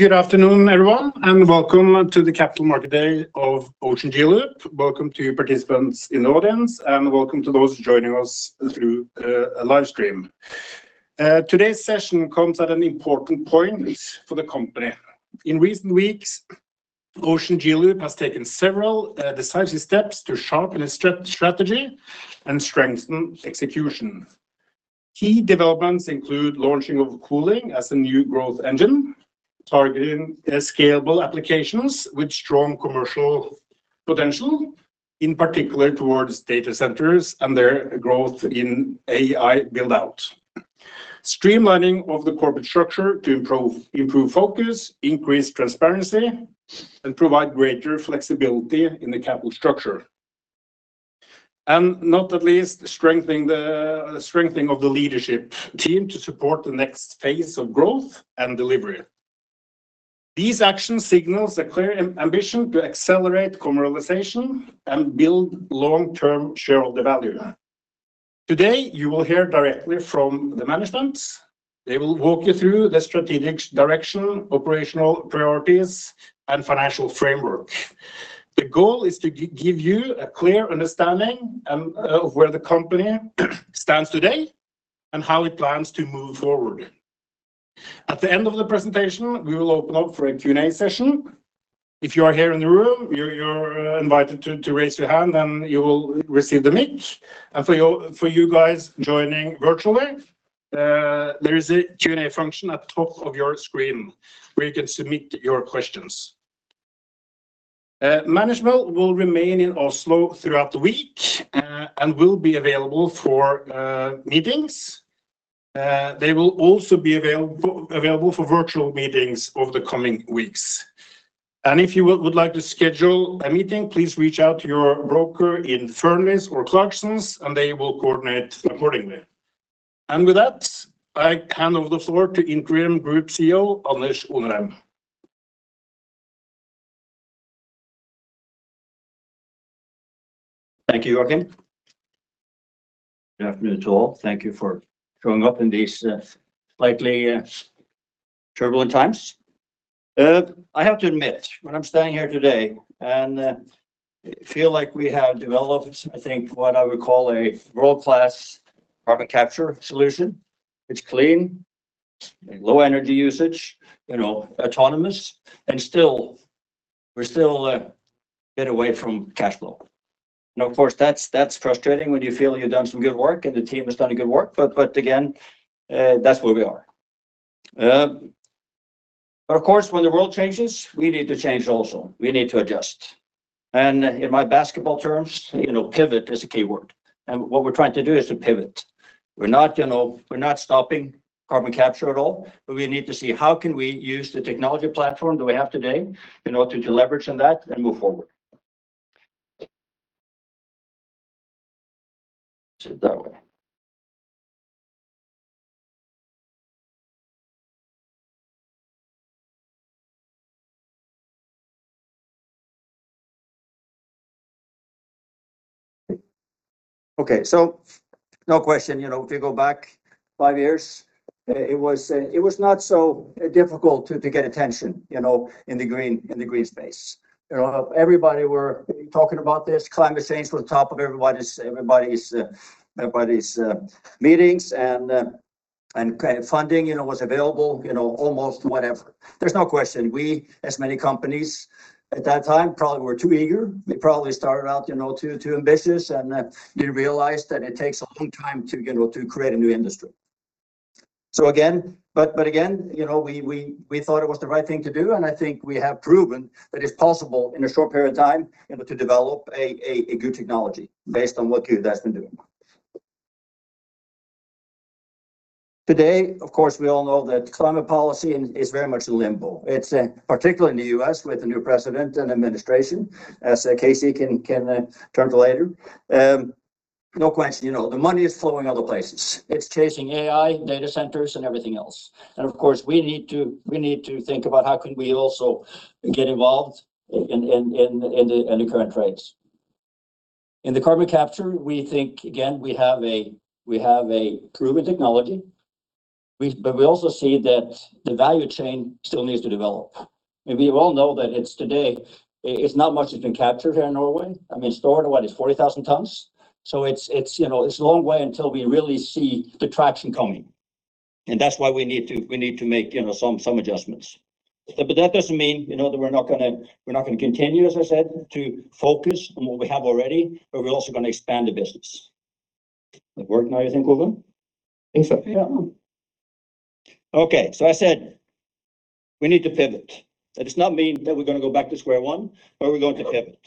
Good afternoon, everyone, and welcome to the Capital Market Day of Ocean GeoLoop. Welcome to participants in the audience, and welcome to those joining us through a live stream. Today's session comes at an important point for the company. In recent weeks, Ocean GeoLoop has taken several decisive steps to sharpen its strategy and strengthen execution. Key developments include launching of cooling as a new growth engine, targeting scalable applications with strong commercial potential, in particular towards data centers and their growth in AI build out. Streamlining of the corporate structure to improve focus, increase transparency, and provide greater flexibility in the capital structure. Not at least strengthening of the leadership team to support the next phase of growth and delivery. These actions signals a clear ambition to accelerate commercialization and build long-term shareholder value. Today, you will hear directly from the management. They will walk you through the strategic direction, operational priorities, and financial framework. The goal is to give you a clear understanding of where the company stands today and how it plans to move forward. At the end of the presentation, we will open up for a Q and A session. If you are here in the room, you're invited to raise your hand, and you will receive the mic. For you guys joining virtually, there is a Q and A function at the top of your screen where you can submit your questions. Management will remain in Oslo throughout the week and will be available for meetings. They will also be available for virtual meetings over the coming weeks. If you would like to schedule a meeting, please reach out to your broker in Furness or Clarksons, and they will coordinate accordingly. With that, I hand over the floor to Interim Group CEO, Anders Onarheim. Thank you, Joakim. Good afternoon to all. Thank you for showing up in these, slightly, turbulent times. I have to admit, when I'm standing here today and feel like we have developed, I think, what I would call a world class carbon capture solution. It's clean, low energy usage, you know, autonomous, and still, we're still a bit away from cash flow. Of course, that's frustrating when you feel you've done some good work and the team has done a good work. Again, that's where we are. Of course, when the world changes, we need to change also. We need to adjust. In my basketball terms, you know, pivot is a key word, and what we're trying to do is to pivot. We're not, you know, we're not stopping carbon capture at all. We need to see how can we use the technology platform that we have today in order to leverage on that and move forward. Put it that way. Okay. No question, you know, if you go back five years, it was not so difficult to get attention, you know, in the green space. You know, everybody were talking about this. Climate change was top of everybody's meetings, and funding, you know, was available, you know, almost whatever. There's no question we, as many companies at that time, probably were too eager. We probably started out, you know, too ambitious and didn't realize that it takes a long time to, you know, to create a new industry. Again, but again, you know, we thought it was the right thing to do, and I think we have proven that it's possible in a short period of time, you know, to develop a good technology based on what Gude has been doing. Today, of course, we all know that climate policy is very much in limbo. It's particularly in the U.S., with the new president and administration, as KC can turn to later. No question, you know, the money is flowing other places. It's chasing AI, data centers, and everything else. Of course, we need to think about how can we also get involved in the current trends. In the carbon capture, we think, again, we have a proven technology. We also see that the value chain still needs to develop. We all know that it's today, it's not much that's been captured here in Norway. I mean, stored, what, is 40,000 tons? It's, you know, it's a long way until we really see the traction coming. That's why we need to make, you know, some adjustments. That doesn't mean, you know, that we're not gonna continue, as I said, to focus on what we have already, but we're also gonna expand the business. Does that work now, you think, Gude? Think so, yeah. I said we need to pivot. That does not mean that we're gonna go back to square one, but we're going to pivot.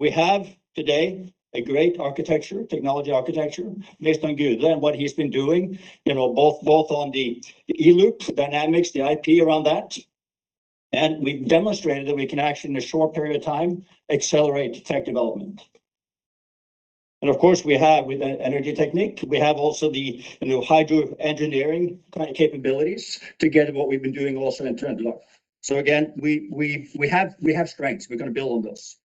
We have today a great architecture, technology architecture based on Gude and what he's been doing, you know, both on the E-Loop dynamics, the IP around that. We've demonstrated that we can actually, in a short period of time, accelerate tech development. Of course, we have, with the Energi Teknikk, we have also the, you know, hydro engineering capabilities to get what we've been doing also in Trondheim. Again, we have strengths. We're gonna build on this.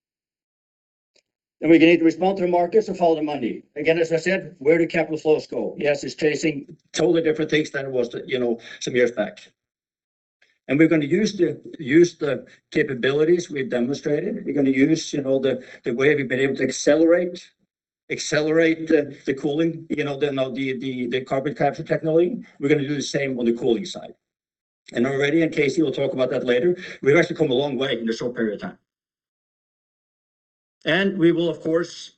We're gonna need to respond to the markets and follow the money. As I said, where do capital flows go? It's chasing totally different things than it was, you know, some years back. We're gonna use the capabilities we've demonstrated. We're gonna use, you know, the way we've been able to accelerate the cooling, you know, the carbon capture technology. We're gonna do the same on the cooling side. Already, KC will talk about that later, we've actually come a long way in a short period of time. We will of course,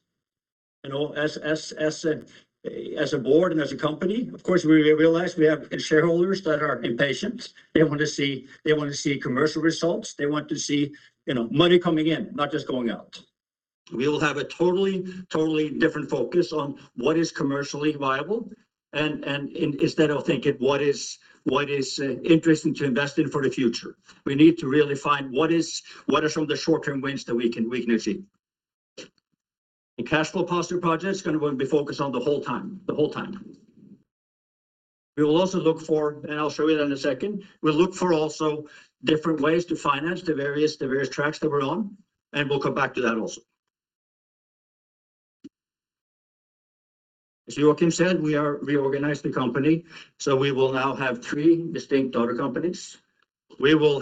you know, as a board and as a company, of course we realize we have shareholders that are impatient. They want to see, they want to see commercial results. They want to see, you know, money coming in, not just going out. We will have a totally different focus on what is commercially viable and instead of thinking what is interesting to invest in for the future. We need to really find what are some of the short term wins that we can achieve. The cash flow positive project is gonna be focused on the whole time. We will also look for, and I'll show you that in a second, we'll look for also different ways to finance the various tracks that we're on. We'll come back to that also. As Joakim said, we are reorganizing the company. We will now have three distinct other companies. We will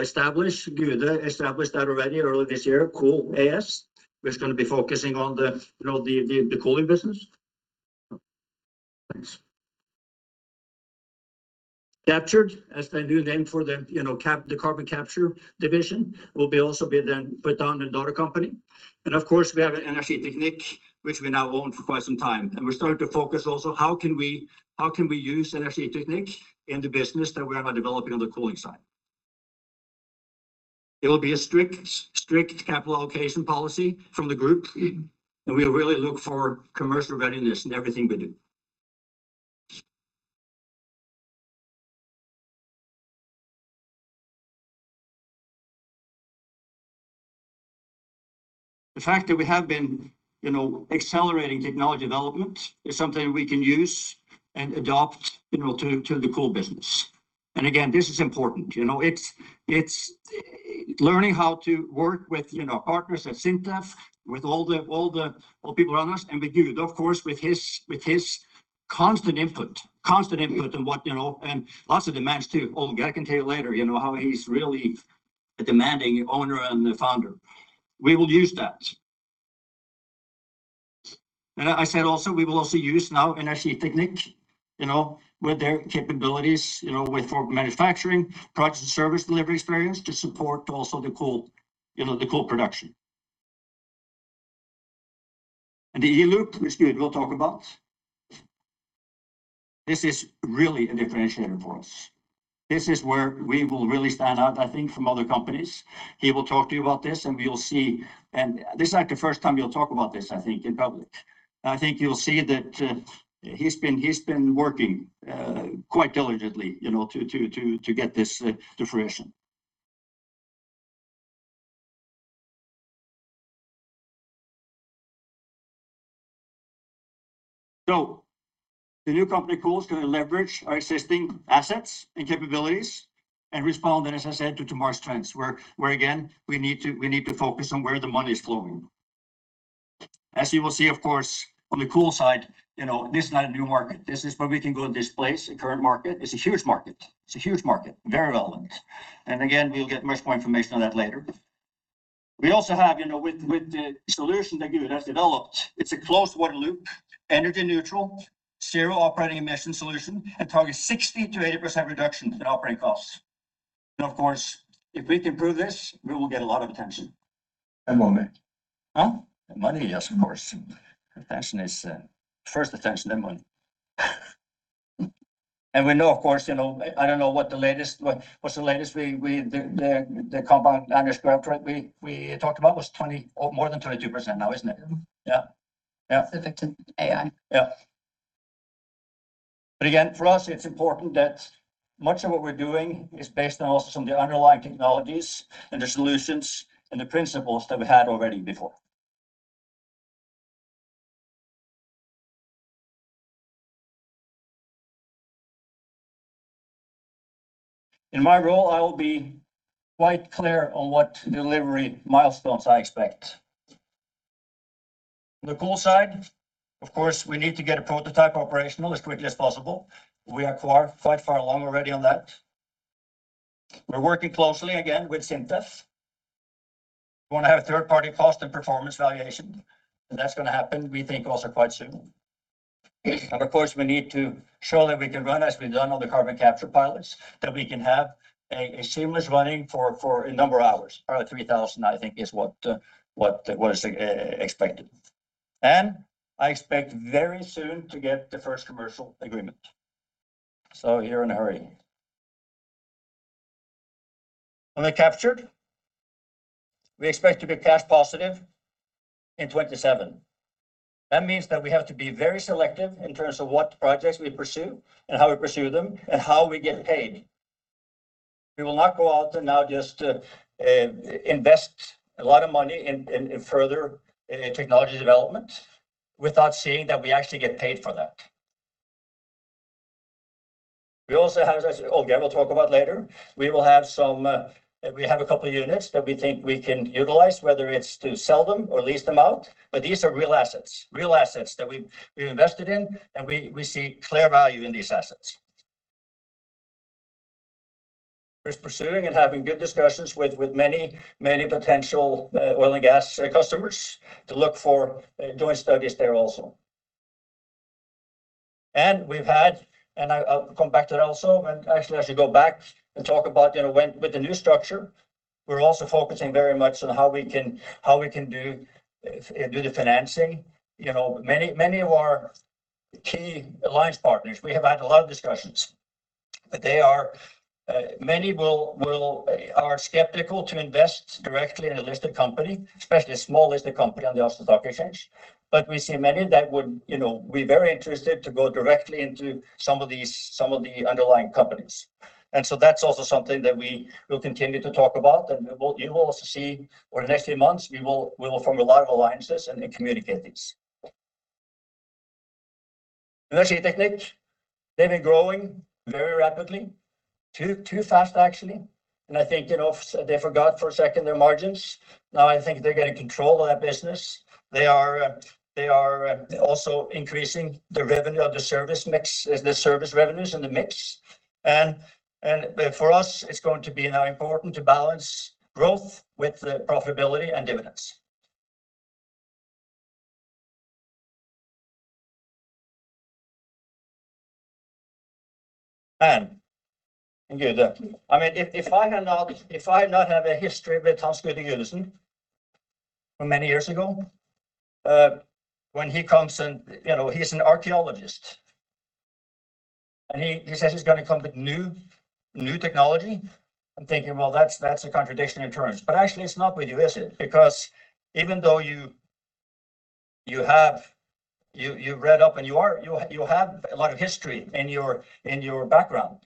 establish, Gude established that already earlier this year, COOL AS, which is gonna be focusing on the, you know, the cooling business. Thanks. Captured, that's the new name for the, you know, carbon capture division, will also be then put on a daughter company. Of course, we have Energi Teknikk, which we now own for quite some time. We're starting to focus also how can we, how can we use Energi Teknikk in the business that we are now developing on the cooling side. It will be a strict capital allocation policy from the group, and we really look for commercial readiness in everything we do. The fact that we have been, you know, accelerating technology development is something we can use and adopt, you know, to the COOL business. Again, this is important. You know, it's learning how to work with, you know, partners at SINTEF, with all the, all the, all people around us, and with Gude of course, with his, with his constant input. Constant input and what, you know, and lots of demands too. Ole, I can tell you later, you know, how he's really a demanding owner and a founder. We will use that. I said also we will also use now Energi Teknikk AS, you know, with their capabilities, you know, for manufacturing, product and service delivery experience to support also the COOL, you know, the COOL production. The E‑Loop, which Hans Gude Gudesen will talk about, this is really a differentiator for us. This is where we will really stand out, I think, from other companies. He will talk to you about this, and we will see. This is like the first time he'll talk about this, I think, in public. I think you'll see that he's been working quite diligently, you know, to get this to fruition. The new company COOL is gonna leverage our existing assets and capabilities and respond, as I said, to tomorrow's trends, where again, we need to focus on where the money's flowing. As you will see, of course, on the COOL side, you know, this is not a new market. This is where we can go displace the current market. It's a huge market. It's a huge market. Very relevant. Again, we'll get much more information on that later. We also have, you know, with the solution that Gude has developed, it's a closed water loop, energy neutral, zero operating emission solution, and targets 60%-80% reduction in operating costs. Of course, if we can prove this, we will get a lot of attention. Money. Huh? Money, yes, of course. Attention is first attention, then money. We know, of course, you know, I don't know what the latest, what's the latest we. The compound annual growth rate we talked about was 20 or more than 22% now, isn't it? Yeah. Yeah. Specific to AI. Again, for us, it's important that much of what we're doing is based on also some of the underlying technologies and the solutions and the principles that we had already before. In my role, I will be quite clear on what delivery milestones I expect. On the COOL side, of course, we need to get a prototype operational as quickly as possible. We are quite far along already on that. We're working closely again with SINTEF. We wanna have third-party cost and performance valuation, that's gonna happen we think also quite soon. Of course, we need to show that we can run as we've done on the carbon capture pilots, that we can have a seamless running for a number of hours. 3,000 I think is what is expected. I expect very soon to get the first commercial agreement. You're in a hurry. On the OGCapture, we expect to be cash positive in 2027. That means that we have to be very selective in terms of what projects we pursue and how we pursue them and how we get paid. We will not go out and now just invest a lot of money in further technology development without seeing that we actually get paid for that. We also have, as Odd-Geir Lademo will talk about later, we will have some, we have a couple units that we think we can utilize, whether it's to sell them or lease them out. These are real assets that we've invested in, and we see clear value in these assets. We're pursuing and having good discussions with many, many potential oil and gas customers to look for and doing studies there also. I'll come back to that also. Actually, I should go back and talk about, you know, with the new structure, we're also focusing very much on how we can, how we can do the financing. You know, many, many of our key alliance partners, we have had a lot of discussions, but they are many are skeptical to invest directly in a listed company, especially a small listed company on the Oslo Stock Exchange. We see many that would, you know, be very interested to go directly into some of these, some of the underlying companies. That's also something that we will continue to talk about, and you will also see over the next few months, we will form a lot of alliances and communicate this. Energi Teknikk, they've been growing very rapidly. Too fast, actually, and I think, you know, they forgot for a second their margins. Now I think they're getting control of that business. They are also increasing the revenue of the service mix, the service revenues and the mix. For us, it's going to be now important to balance growth with the profitability and dividends. Han Gude. I mean, if I not have a history with Hans Gude Gudesen from many years ago, when he comes and, you know, he's an archeologist, and he says he's gonna come with new technology, I'm thinking, "Well, that's a contradiction in terms." Actually it's not with you, is it? Even though you have, you read up and you are, you have a lot of history in your background,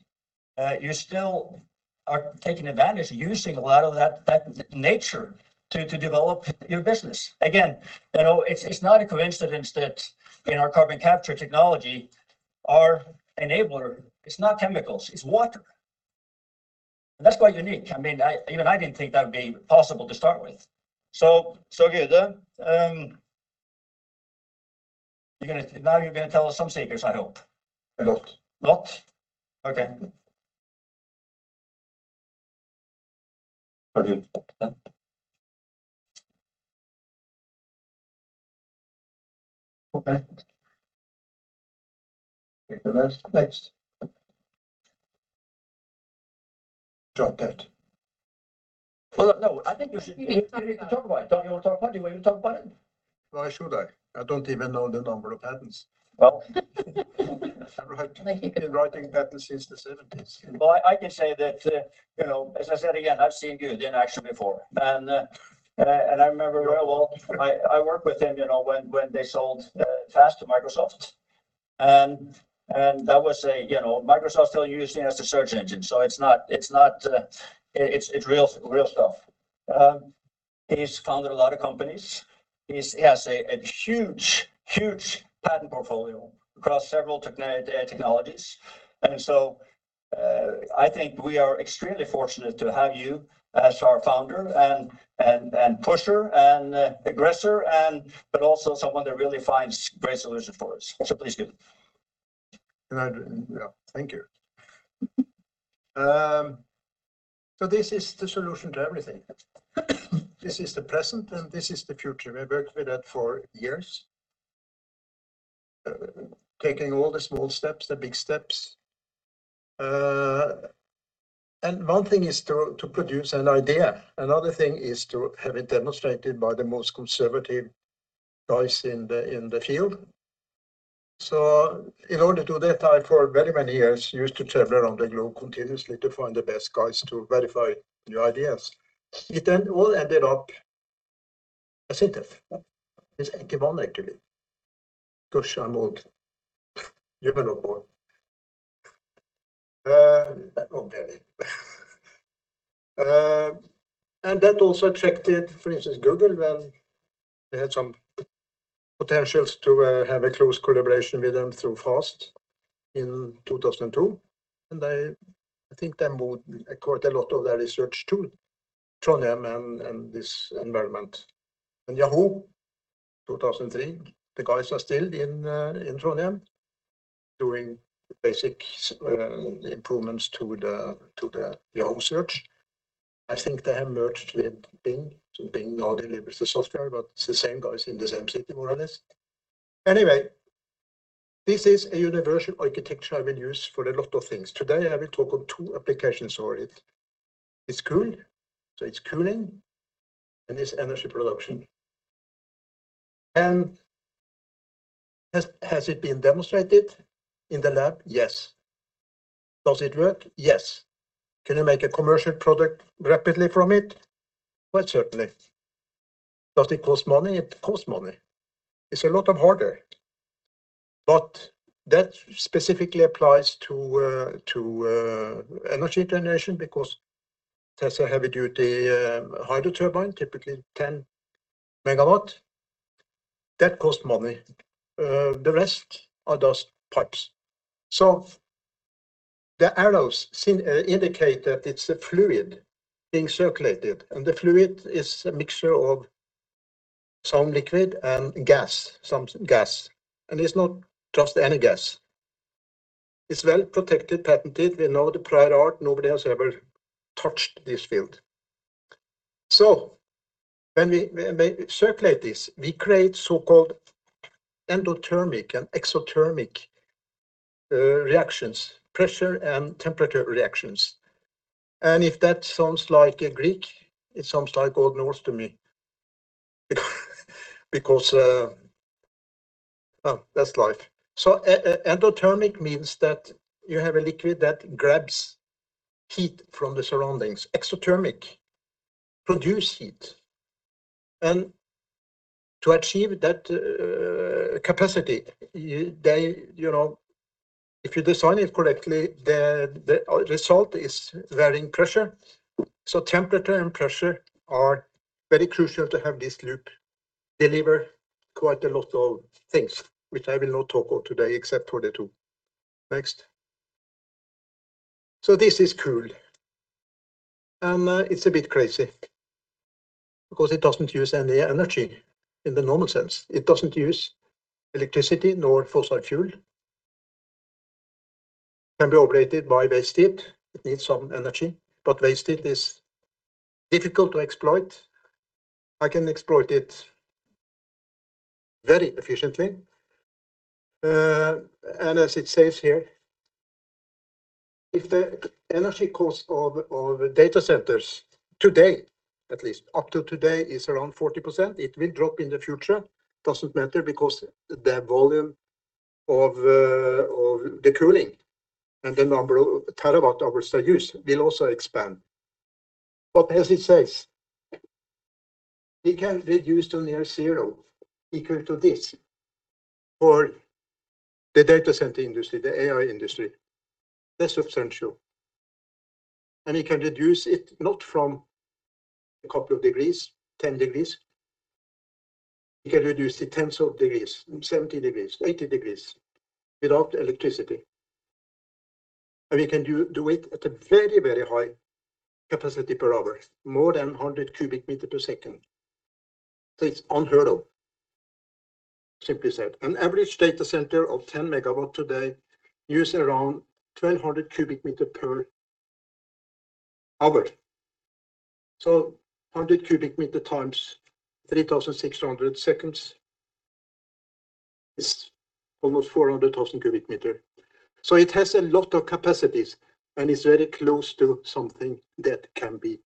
you still are taking advantage, using a lot of that nature to develop your business. Again, you know, it's not a coincidence that in our carbon capture technology, our enabler is not chemicals, it's water. That's quite unique. I mean, even I didn't think that would be possible to start with. Gude, now you're gonna tell us some secrets, I hope. A lot. A lot? Okay. Okay. Take the next. Drop that. No, I think you need to talk about it. Don't you want to talk about it? You want to talk about it? Why should I? I don't even know the number of patents. Well. I've wrote. Thank you. I've been writing patents since the seventies. Well, I can say that, you know, as I said again, I've seen Gude in action before. I remember very well, I worked with him, you know, when they sold FAST to Microsoft. That was a, you know, Microsoft still use it as their search engine, so it's not, it's not. It's real stuff. He's founded a lot of companies. He has a huge patent portfolio across several technologies. I think we are extremely fortunate to have you as our founder and pusher and, aggressor and, but also someone that really finds great solutions for us. Please, Gude. Yeah. Thank you. This is the solution to everything. This is the present, and this is the future. We worked with that for years, taking all the small steps, the big steps. One thing is to produce an idea. Another thing is to have it demonstrated by the most conservative guys in the field. In order to do that, I, for very many years, used to travel around the globe continuously to find the best guys to verify new ideas. It all ended up. I said it. It's actually one, actually, because I'm old, you are not old. I'm very. That also attracted, for instance, Google when they had some potentials to have a close collaboration with them through FAST in 2002. They, I think they moved quite a lot of their research to Trondheim and this environment. Yahoo, 2003, the guys are still in Trondheim, doing basic improvements to the home search. I think they have merged with Bing, so Bing now delivers the software, but it's the same guys in the same city, more or less. Anyway, this is a universal architecture I will use for a lot of things. Today I will talk on two applications for it. It's cooled, so it's cooling, and it's energy production. Has it been demonstrated in the lab? Yes. Does it work? Yes. Can you make a commercial product rapidly from it? Well, certainly. Does it cost money? It costs money. It's a lot of hardware. That specifically applies to energy generation because that's a heavy duty hydro turbine, typically 10 MW. That cost money. The rest are just pipes. The arrows seen indicate that it's a fluid being circulated, and the fluid is a mixture of some liquid and gas, some gas. It's not just any gas. It's well protected, patented. We know the prior art. Nobody has ever touched this field. When we circulate this, we create so-called endothermic and exothermic reactions, pressure and temperature reactions. If that sounds like Greek, it sounds like Old Norse to me because. Well, that's life. Endothermic means that you have a liquid that grabs heat from the surroundings. Exothermic produce heat. To achieve that capacity, you know, if you design it correctly, the result is varying pressure. Temperature and pressure are very crucial to have this loop deliver quite a lot of things, which I will not talk of today except for the two. Next. This is COOL, and it's a bit crazy because it doesn't use any energy in the normal sense. It doesn't use electricity nor fossil fuel. Can be operated by waste heat. It needs some energy, but waste heat is difficult to exploit. I can exploit it very efficiently. As it says here, if the energy cost of data centers today, at least up till today, is around 40%, it will drop in the future. Doesn't matter because the volume of the cooling and the number of terawatt hours are used will also expand. As it says, it can be reduced to near zero equal to this for the data center industry, the AI industry. That's substantial. It can reduce it not from a couple of degrees, 10 degrees. It can reduce to tens of degrees, 70 degrees, 80 degrees without electricity. We can do it at a very, very high capacity per hour, more than 100 cubic meter per second. It's unheard of, simply said. An average data center of 10 MW today use around 1,200 cubic meter per hour. 100 cubic meter times 3,600 seconds is almost 400,000 cubic meter. It has a lot of capacities, and it's very close to something that can be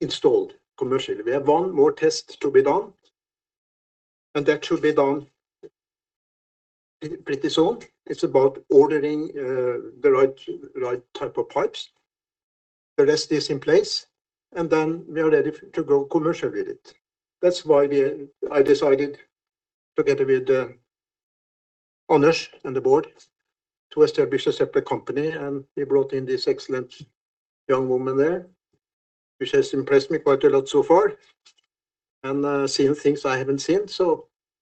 installed commercially. We have 1 more test to be done, and that should be done pretty soon. It's about ordering the right type of pipes. The rest is in place. We are ready to go commercial with it. That's why I decided together with Anders and the board to establish a separate company. We brought in this excellent young woman there, which has impressed me quite a lot so far and seen things I haven't seen.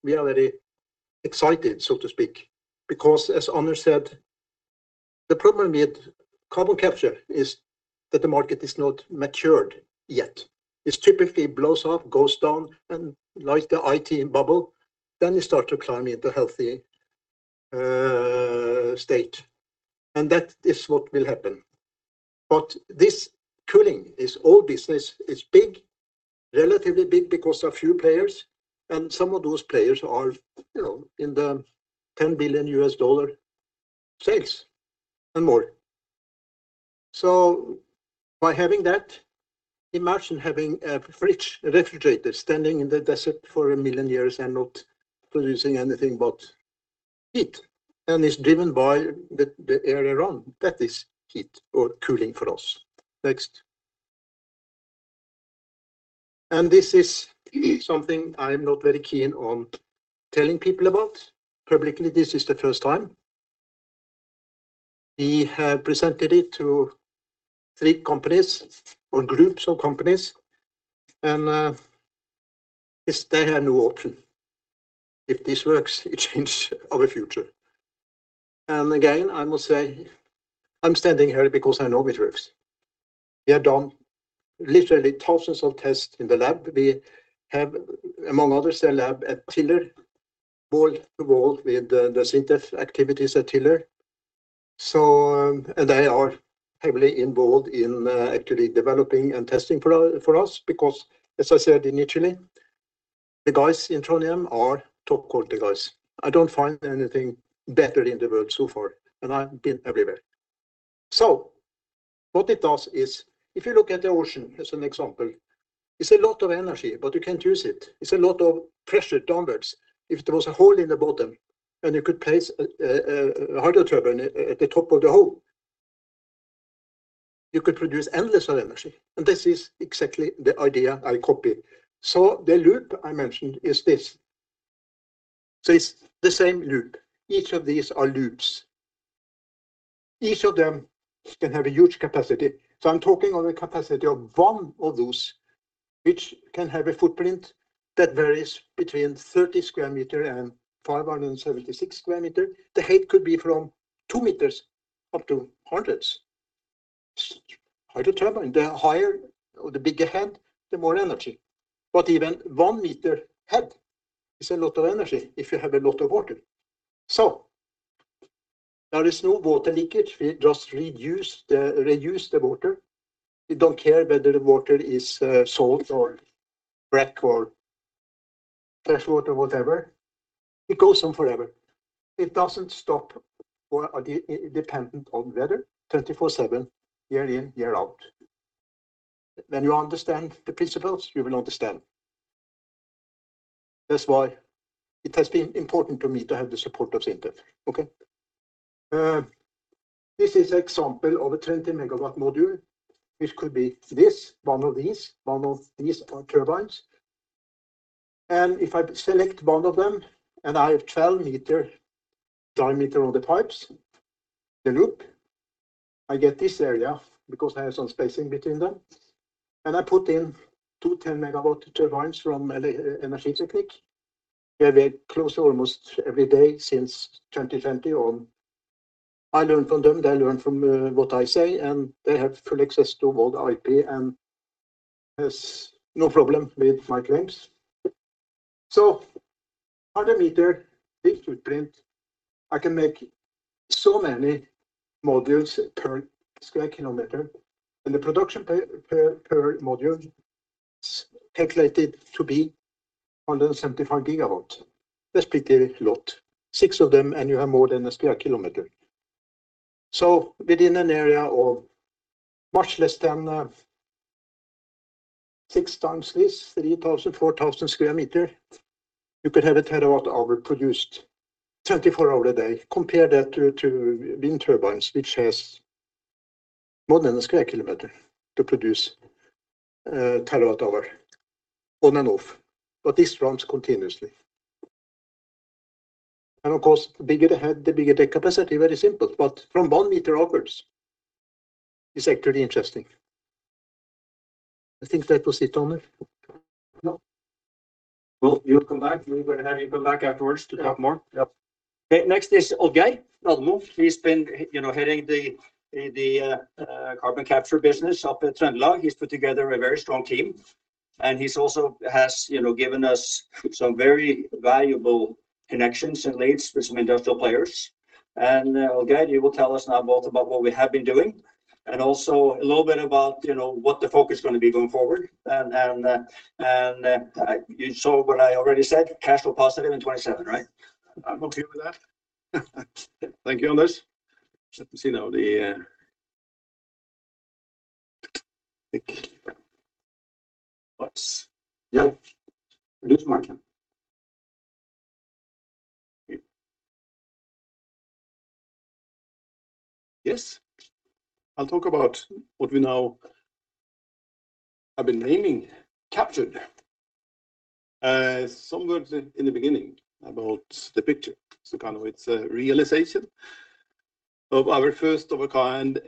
We are very excited, so to speak, because as Anders said, the problem with carbon capture is that the market is not matured yet. It typically blows off, goes down, and like the IT bubble, then it start to climb into healthy state, and that is what will happen. This cooling is old business. It's big, relatively big because of few players, and some of those players are, you know, in the $10 billion sales and more. By having that, imagine having a fridge, a refrigerator standing in the desert for a million years and not producing anything but heat, and it's driven by the air around. That is heat or cooling for us. Next. This is something I'm not very keen on telling people about publicly. This is the first time. We have presented it to three companies or groups of companies, and they have no option. If this works, it change all the future. Again, I must say, I'm standing here because I know it works. We have done literally thousands of tests in the lab. We have, among others, a lab at Tiller, wall to wall with the SINTEF activities at Tiller. And they are heavily involved in, actually developing and testing for us because as I said initially, the guys in Trondheim are top quality guys. I don't find anything better in the world so far, and I've been everywhere. What it does is, if you look at the ocean as an example, it's a lot of energy, but you can't use it. It's a lot of pressure downwards. If there was a hole in the bottom, and you could place a hydro turbine at the top of the hole, you could produce endless energy, and this is exactly the idea I copy. The loop I mentioned is this. It's the same loop. Each of these are loops. Each of them can have a huge capacity. I'm talking of a capacity of one of those which can have a footprint that varies between 30 square meters and 576 square meters. The height could be from two meters up to hundreds. Hydro turbine, the higher or the bigger head, the more energy. Even 1 meter head is a lot of energy if you have a lot of water. There is no water leakage. We just reduce the water. We don't care whether the water is salt or black or freshwater, whatever. It goes on forever. It doesn't stop or dependent on weather, 24/7, year in, year out. When you understand the principles, you will understand. That's why it has been important to me to have the support of SINTEF. Okay? This is example of a 20 MW module which could be this, one of these turbines. If I select one of them, and I have 12 meter diameter of the pipes, the loop, I get this area because I have some spacing between them. I put in two, 10 MW turbines from Energi Teknikk. We have been close almost every day since 2020 on. I learn from them, they learn from what I say, and they have full access to all the IP and has no problem with my claims. 100 meter big footprint, I can make so many modules per square kilometer and the production per module is calculated to be 175 GW. That's pretty lot. six of them, you have more than a square kilometer. Within an area of much less than six times this, 3,000, 4,000 square meter, you could have a terawatt hour produced 24 hour a day, compare that to wind turbines which has more than a square kilometer to produce terawatt hour on and off. This runs continuously. Of course, the bigger the head, the bigger the capacity, very simple, but from one meter upwards is actually interesting. I think that was it, Anders, no? Well, you'll come back. We will have you come back afterwards to talk more. Yep. Okay. Next is Odd-Geir Lademo. He's been, you know, heading the carbon capture business up at Trøndelag. He's put together a very strong team, and he's also has, you know, given us some very valuable connections and leads with some industrial players. Odd-Geir, you will tell us now both about what we have been doing and also a little bit about, you know, what the focus is gonna be going forward. and, you saw what I already said, cash flow positive in 2027, right? I'm okay with that. Thank you, Anders. Let me see now. Yes. Reduce Margin. Yes. I'll talk about what we now have been naming Captured. Some words in the beginning about the picture. It's a realization of our first of a kind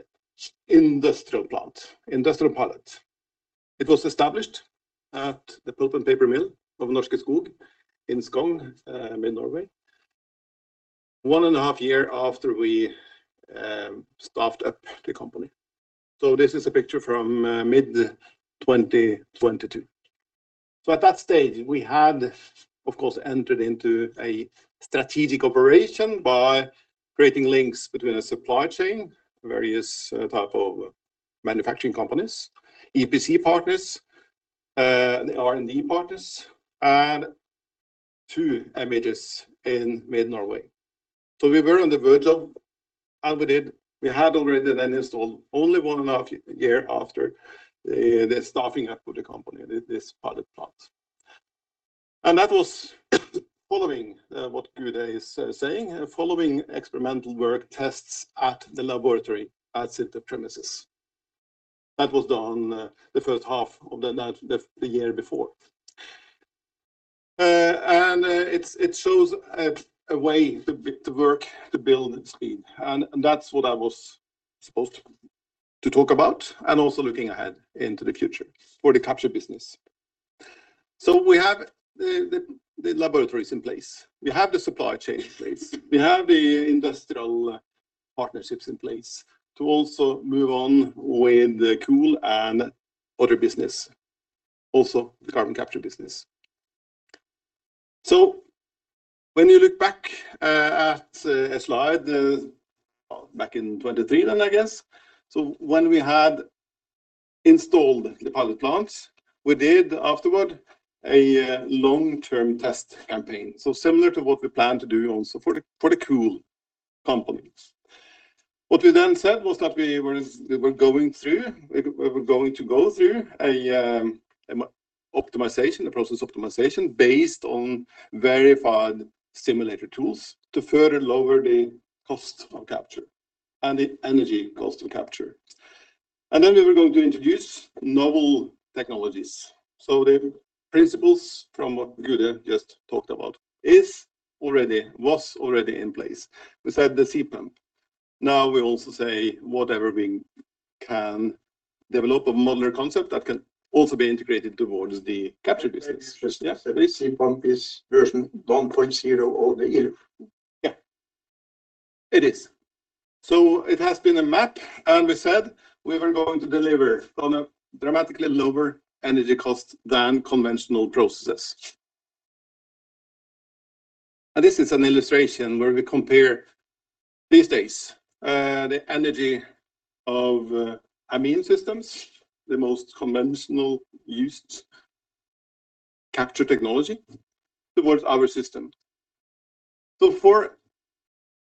industrial plant, industrial pilot. It was established at the pulp and paper mill of Norske Skog in Skogn, in Norway, one and a half year after we staffed up the company. This is a picture from mid-2022. At that stage, we had, of course, entered into a strategic operation by creating links between a supply chain, various type of manufacturing companies, EPC partners, R&D partners, and two MHEs in mid Norway. We were on the verge of. We did. We had already then installed only one and a half year after the staffing up of the company, this pilot plant. That was following what Gude is saying, following experimental work tests at the laboratory at SINTEF premises. That was done the first half of the year before. It shows a way to work, to build speed, and that's what I was supposed to talk about, and also looking ahead into the future for the capture business. We have the laboratories in place. We have the supply chain in place. We have the industrial partnerships in place to also move on with the COOL and other business, also the carbon capture business. When you look back at a slide, back in 2023 then, I guess. When we had installed the pilot plants, we did afterward a long-term test campaign, similar to what we plan to do also for the, for the cool companies. What we said was that we were going to go through a optimization, a process optimization based on verified simulator tools to further lower the cost of capture and the energy cost of capture. We were going to introduce novel technologies. The principles from what Gude just talked about was already in place beside the sea pump. Now we also say whatever we can develop a modular concept that can also be integrated towards the capture business. Very interesting. Yeah. This sea pump is version 1.0 over the year. It is. It has been a map, and we said we were going to deliver on a dramatically lower energy cost than conventional processes. This is an illustration where we compare these days, the energy of amine systems, the most conventional used capture technology, towards our system. For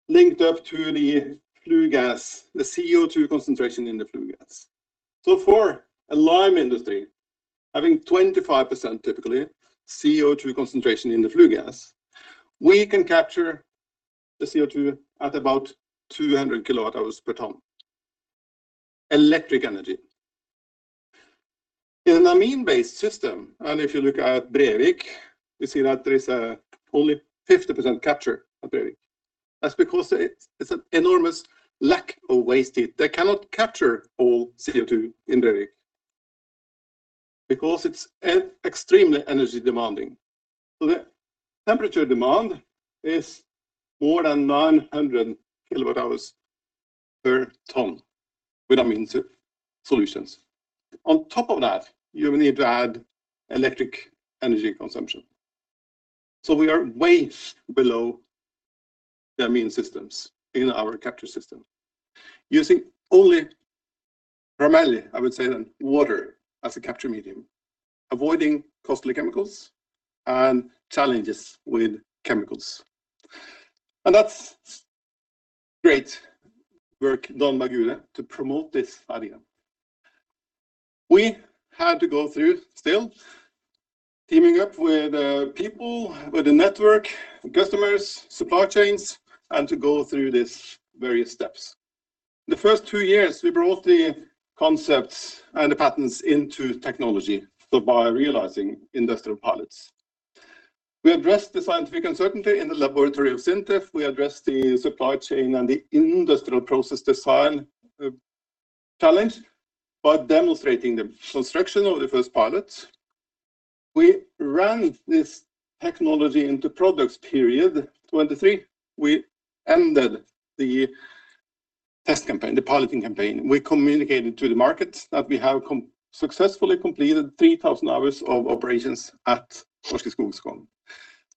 linked up to the flue gas, the CO2 concentration in the flue gas. For a lime industry, having 25% typically CO2 concentration in the flue gas, we can capture the CO2 at about 200 kW hours per ton, electric energy. In an amine-based system, and if you look at Brevik, you see that there is only 50% capture at Brevik. That's because it's an enormous lack of waste heat. They cannot capture all CO2 in Brevik because it's extremely energy demanding. The temperature demand is more than 900 kW hours per ton with amine solutions. On top of that, you need to add electric energy consumption. We are way below the amine systems in our capture system using only, formally I would say then, water as a capture medium, avoiding costly chemicals and challenges with chemicals. That's great work done by Gude to promote this idea. We had to go through still teaming up with people, with the network, customers, supply chains, and to go through these various steps. The first two years, we brought the concepts and the patents into technology, so by realizing industrial pilots. We addressed the scientific uncertainty in the laboratory of SINTEF. We addressed the supply chain and the industrial process design challenge by demonstrating the construction of the first pilot. We ran this technology into products period 2023. We ended the test campaign, the piloting campaign. We communicated to the market that we have successfully completed 3,000 hours of operations at Norske Skog.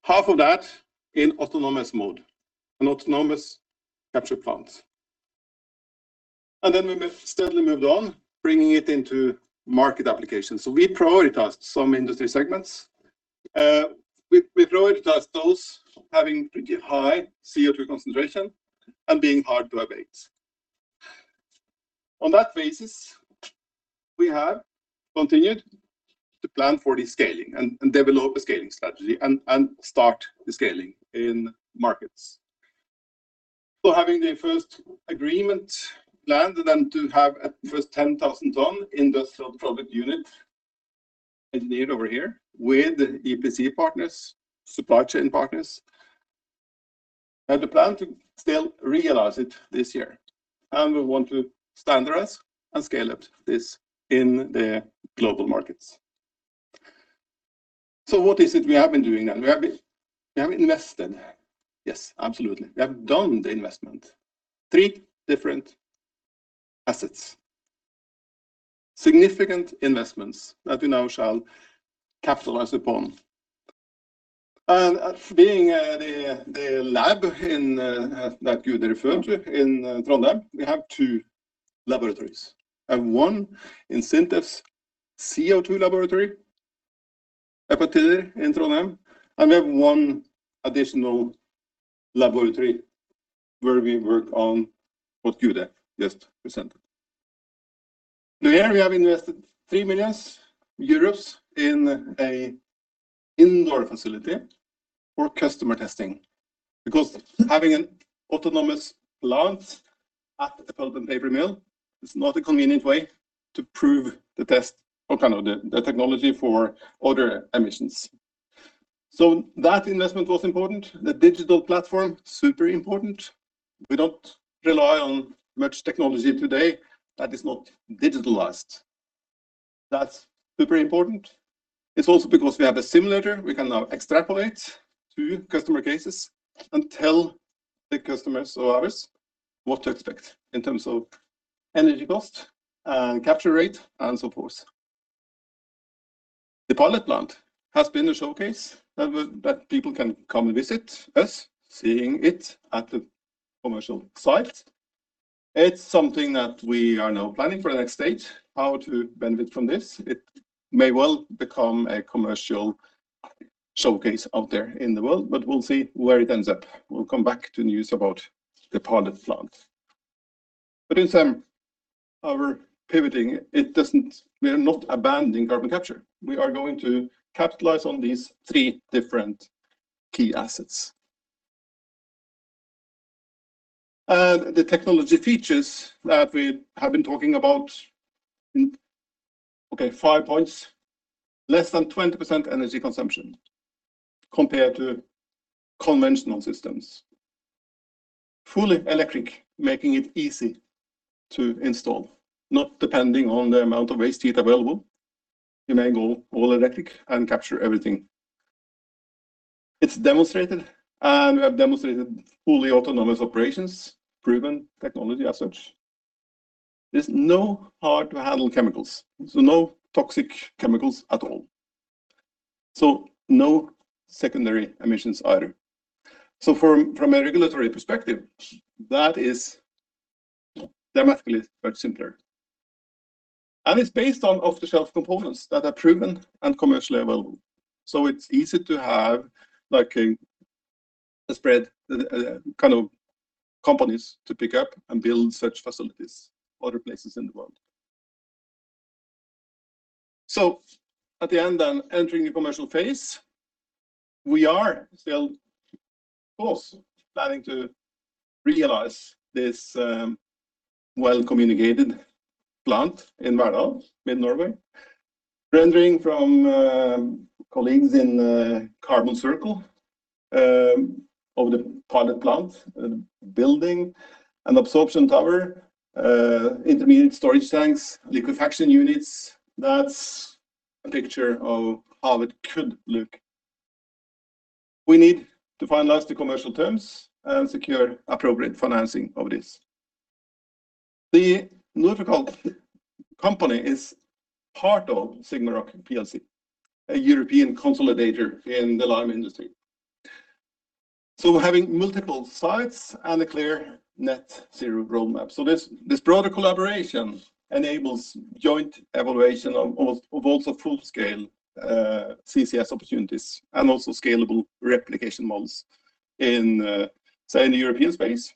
Half of that in autonomous mode, an autonomous capture plant. We steadily moved on, bringing it into market applications. We prioritized some industry segments. We prioritized those having pretty high CO2 concentration and being hard to abate. On that basis, we have continued to plan for the scaling and develop a scaling strategy and start the scaling in markets. Having the first agreement planned and then to have a first 10,000 ton industrial product unit engineered over here with EPC partners, supply chain partners, and the plan to still realize it this year. We want to standardize and scale up this in the global markets. What is it we have been doing then? We have invested. Yes, absolutely. We have done the investment. three different assets, significant investments that we now shall capitalize upon. Being the lab in that Gude referred to in Trondheim, we have two laboratories, and one in SINTEF's CO2 laboratory, Tiller in Trondheim, and we have one additional laboratory where we work on what Gude just presented. Here we have 3 million euros in an indoor facility for customer testing, because having an autonomous plant at the pulp and paper mill is not a convenient way to prove the test or the technology for other emissions. That investment was important. The digital platform, super important. We don't rely on much technology today that is not digitalized. That's super important. It's also because we have a simulator, we can now extrapolate to customer cases and tell the customers or others what to expect in terms of energy cost, capture rate, and so forth. The pilot plant has been a showcase that people can come and visit us, seeing it at the commercial site. It's something that we are now planning for the next stage, how to benefit from this. It may well become a commercial showcase out there in the world, we'll see where it ends up. We'll come back to news about the pilot plant. In sum, our pivoting, we're not abandoning carbon capture. We are going to capitalize on these three different key assets. The technology features that we have been talking about in, okay, five points. Less than 20% energy consumption compared to conventional systems. Fully electric, making it easy to install, not depending on the amount of waste heat available. You may go all electric and capture everything. It's demonstrated. We have demonstrated fully autonomous operations, proven technology as such. There's no hard to handle chemicals, so no toxic chemicals at all, so no secondary emissions either. From a regulatory perspective, that is dramatically but simpler. It's based on off-the-shelf components that are proven and commercially available, so it's easy to have, like, a spread kind of companies to pick up and build such facilities other places in the world. At the end, entering the commercial phase, we are still, of course, planning to realize this well-communicated plant in Verdal in Norway. Rendering from colleagues in Carbon Circle of the pilot plant and building an absorption tower, intermediate storage tanks, liquefaction units. That's a picture of how it could look. We need to finalize the commercial terms and secure appropriate financing of this. The Nurfical company is part of SigmaRoc plc, a European consolidator in the lime industry, so having multiple sites and a clear net zero roadmap. This broader collaboration enables joint evaluation of also full scale CCS opportunities and also scalable replication models in, say, in the European space,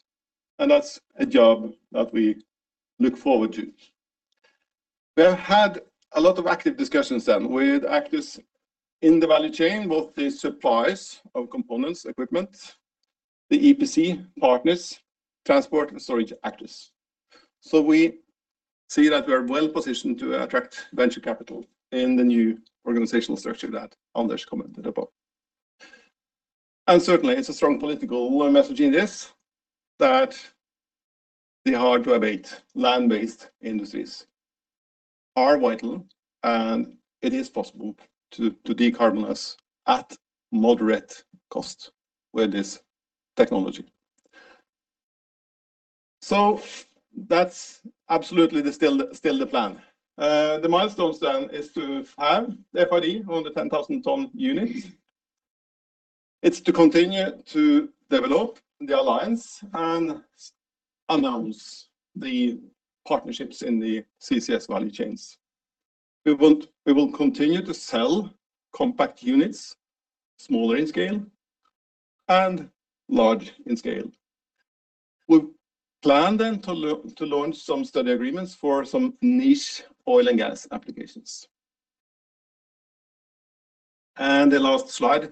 and that's a job that we look forward to. We have had a lot of active discussions then with actors in the value chain, both the suppliers of components, equipment, the EPC partners, transport and storage actors. We see that we are well positioned to attract venture capital in the new organizational structure that Anders commented about. Certainly it's a strong political message in this, that the hard to abate land based industries are vital, and it is possible to decarbonize at moderate cost with this technology. That's absolutely the still the plan. The milestones then is to have the FRD on the 10,000 ton unit. It's to continue to develop the alliance and announce the partnerships in the CCS value chains. We will continue to sell compact units, smaller in scale and large in scale. We plan then to launch some study agreements for some niche oil and gas applications. The last slide,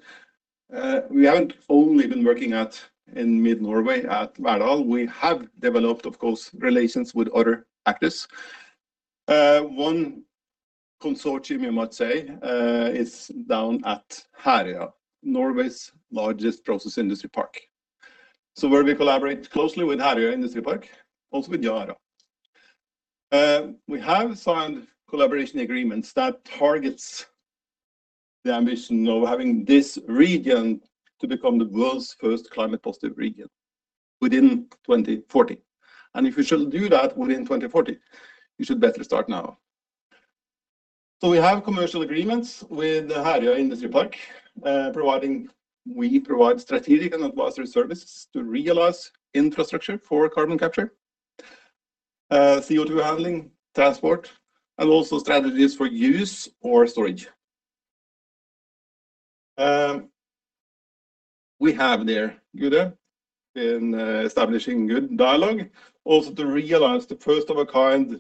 we haven't only been working at in mid-Norway at Verdal. We have developed, of course, relations with other actors. One consortium, you might say, is down at Herøya, Norway's largest process industry park. Where we collaborate closely with Herøya Industripark, also with Yara. We have signed collaboration agreements that targets the ambition of having this region to become the world's first climate positive region within 2040. If we shall do that within 2040, you should better start now. We have commercial agreements with Herøya Industripark, we provide strategic and advisory services to realize infrastructure for carbon capture, CO2 handling, transport, and also strategies for use or storage. We have there, Gude, in establishing good dialogue, also to realize the first of a kind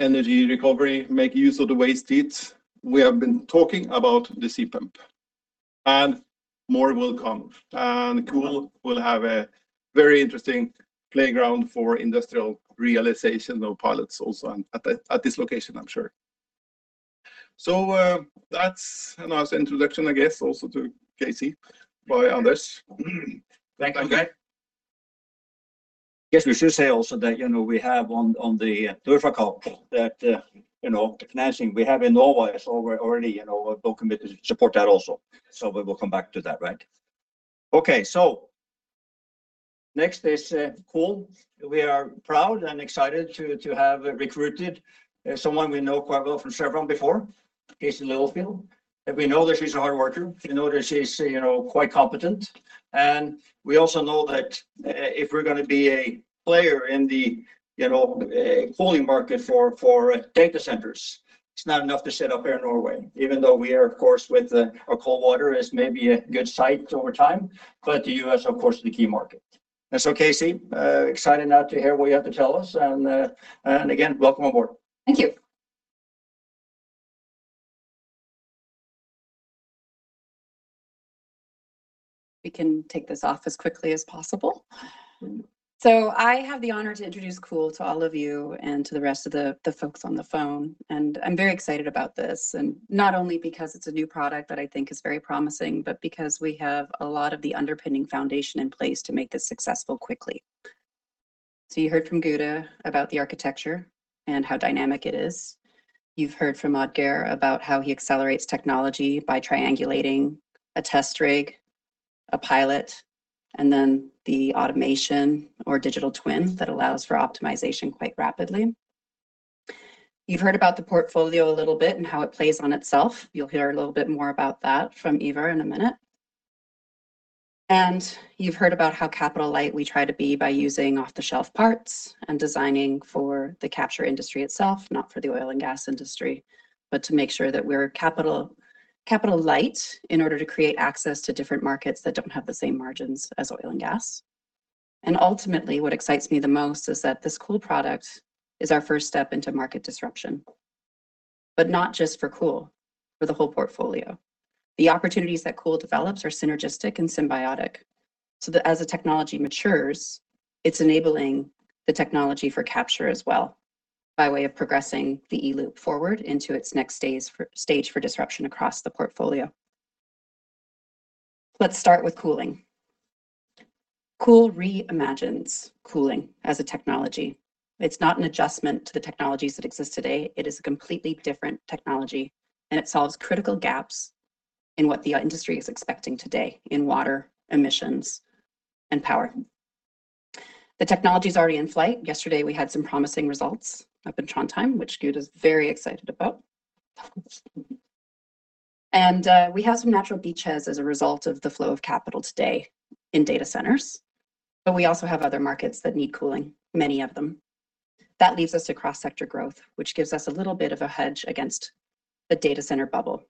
energy recovery, make use of the waste heat. We have been talking about the CPMP. More will come. COOL will have a very interesting playground for industrial realization of pilots also at this location, I'm sure. That's a nice introduction, I guess, also to KC by Anders. Thank you. Okay. I guess we should say also that, you know, we have on the NorFraKalk that, you know, the financing we have in Norway is already, you know, will commit to support that also. We will come back to that, right? Next is COOL. We are proud and excited to have recruited someone we know quite well from Chevron before, KC Littlefield. We know that she's a hard worker. We know that she's, you know, quite competent. We also know that if we're gonna be a player in the, you know, cooling market for data centers, it's not enough to set up here in Norway, even though we are of course our cold water is maybe a good site over time, but the U.S., of course is the key market. KC, excited now to hear what you have to tell us, and again, welcome aboard. Thank you. We can take this off as quickly as possible. I have the honor to introduce COOL to all of you and to the rest of the folks on the phone, and I'm very excited about this, and not only because it's a new product that I think is very promising, but because we have a lot of the underpinning foundation in place to make this successful quickly. You heard from Gude about the architecture and how dynamic it is. You've heard from Odd-Geir about how he accelerates technology by triangulating a test rig, a pilot, and then the automation or digital twin that allows for optimization quite rapidly. You've heard about the portfolio a little bit and how it plays on itself. You'll hear a little bit more about that from Iver in a minute. You've heard about how capital light we try to be by using off-the-shelf parts and designing for the capture industry itself, not for the oil and gas industry, but to make sure that we're capital light in order to create access to different markets that don't have the same margins as oil and gas. Ultimately, what excites me the most is that this COOL product is our first step into market disruption. Not just for COOL, for the whole portfolio. The opportunities that COOL develops are synergistic and symbiotic, so that as the technology matures, it's enabling the technology for capture as well by way of progressing the E-Loop forward into its next stage for disruption across the portfolio. Let's start with cooling. COOL reimagines cooling as a technology. It's not an adjustment to the technologies that exist today. It is a completely different technology, and it solves critical gaps in what the industry is expecting today in water, emissions, and power. The technology's already in flight. Yesterday, we had some promising results up in Trondheim, which Gude's very excited about. We have some natural beachheads as a result of the flow of capital today in data centers, but we also have other markets that need cooling, many of them. That leaves us to cross-sector growth, which gives us a little bit of a hedge against the data center bubble.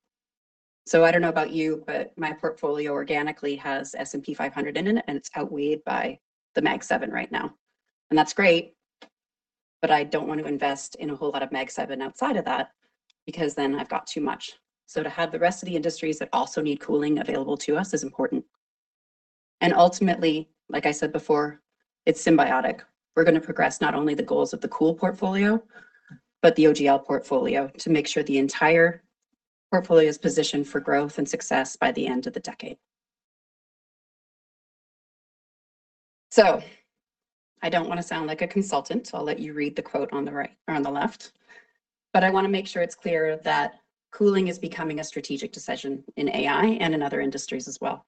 I don't know about you, but my portfolio organically has S&P 500 in it, and it's outweighed by the Magnificent Seven right now. That's great, but I don't want to invest in a whole lot of Magnificent Seven outside of that, because then I've got too much. To have the rest of the industries that also need cooling available to us is important. Ultimately, like I said before, it's symbiotic. We're going to progress not only the goals of the COOL portfolio, but the OGL portfolio to make sure the entire portfolio is positioned for growth and success by the end of the decade. I don't want to sound like a consultant, so I'll let you read the quote on the right or on the left. I want to make sure it's clear that cooling is becoming a strategic decision in AI and in other industries as well.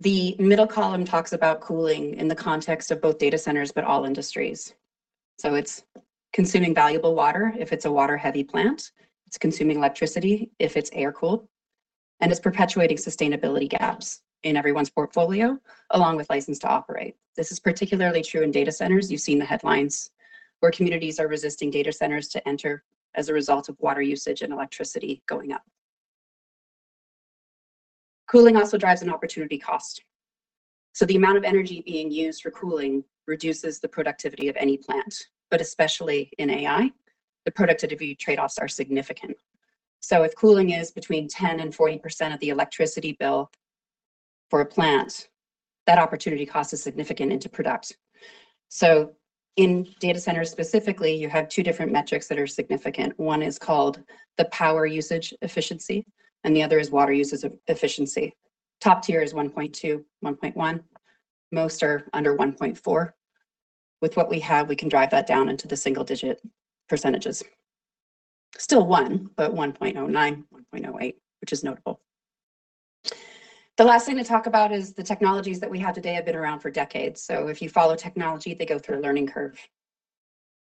The middle column talks about cooling in the context of both data centers but all industries. It's consuming valuable water if it's a water heavy plant, it's consuming electricity if it's air cool, and it's perpetuating sustainability gaps in everyone's portfolio along with license to operate. This is particularly true in data centers. You've seen the headlines where communities are resisting data centers to enter as a result of water usage and electricity going up. Cooling also drives an opportunity cost. The amount of energy being used for cooling reduces the productivity of any plant, but especially in AI, the productivity trade-offs are significant. If cooling is between 10% and 40% of the electricity bill for a plant, that opportunity cost is significant into product. In data centers specifically, you have two different metrics that are significant. One is called the power usage efficiency, and the other is water usage efficiency. Top tier is 1.2, 1.1. Most are under 1.4. With what we have, we can drive that down into the single-digit %. Still one, but 1.09, 1.08, which is notable. The last thing to talk about is the technologies that we have today have been around for decades. If you follow technology, they go through a learning curve.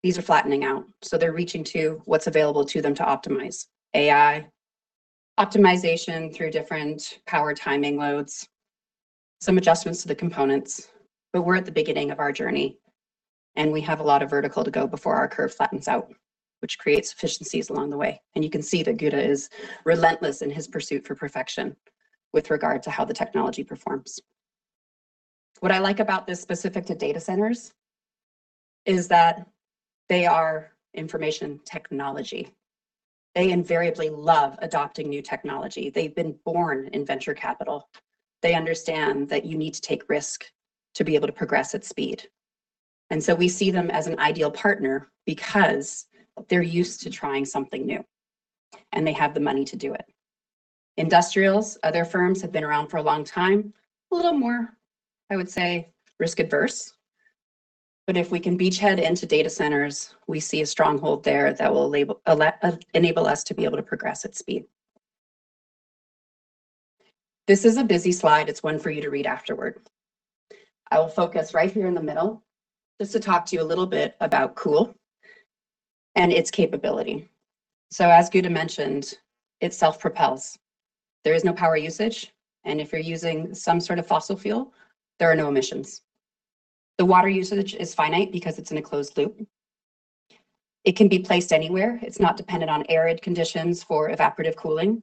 These are flattening out, so they're reaching to what's available to them to optimize. A.I., optimization through different power timing loads, some adjustments to the components, but we're at the beginning of our journey, and we have a lot of vertical to go before our curve flattens out, which creates efficiencies along the way. You can see that Gude is relentless in his pursuit for perfection with regard to how the technology performs. What I like about this specific to data centers is that they are information technology. They invariably love adopting new technology. They've been born in venture capital. They understand that you need to take risk to be able to progress at speed. We see them as an ideal partner because they're used to trying something new, and they have the money to do it. Industrials, other firms have been around for a long time. A little more, I would say, risk-averse. If we can beachhead into data centers, we see a stronghold there that will enable us to be able to progress at speed. This is a busy slide. It's one for you to read afterward. I will focus right here in the middle just to talk to you a little bit about COOL and its capability. As Gude mentioned, it self-propels. There is no power usage, and if you're using some sort of fossil fuel, there are no emissions. The water usage is inite because it's in a closed loop. It can be placed anywhere. It's not dependent on arid conditions for evaporative cooling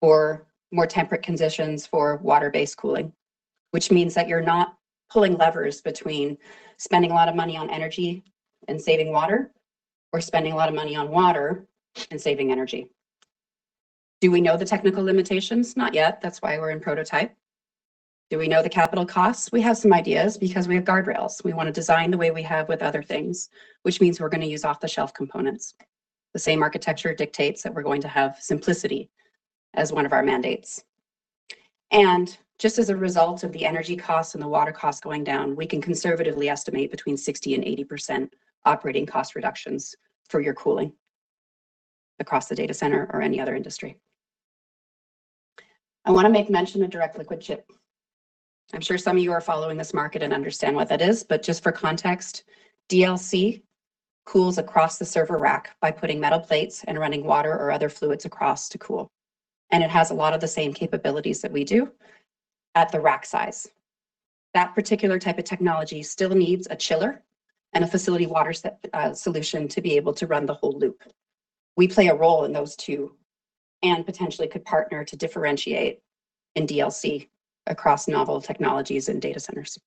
or more temperate conditions for water-based cooling. You're not pulling levers between spending a lot of money on energy and saving water, or spending a lot of money on water and saving energy. Do we know the technical limitations? Not yet. That's why we're in prototype. Do we know the capital costs? We have some ideas because we have guardrails. We want to design the way we have with other things, which means we're going to use off-the-shelf components. The same architecture dictates that we're going to have simplicity as one of our mandates. Just as a result of the energy costs and the water costs going down, we can conservatively estimate between 60% and 80% operating cost reductions for your cooling across the data center or any other industry. I want to make mention of direct liquid chip. I'm sure some of you are following this market and understand what that is, but just for context, DLC cools across the server rack by putting metal plates and running water or other fluids across to cool. It has a lot of the same capabilities that we do at the rack size. That particular type of technology still needs a chiller and a facility water solution to be able to run the whole loop. We play a role in those two and potentially could partner to differentiate in DLC across novel technologies and data centers.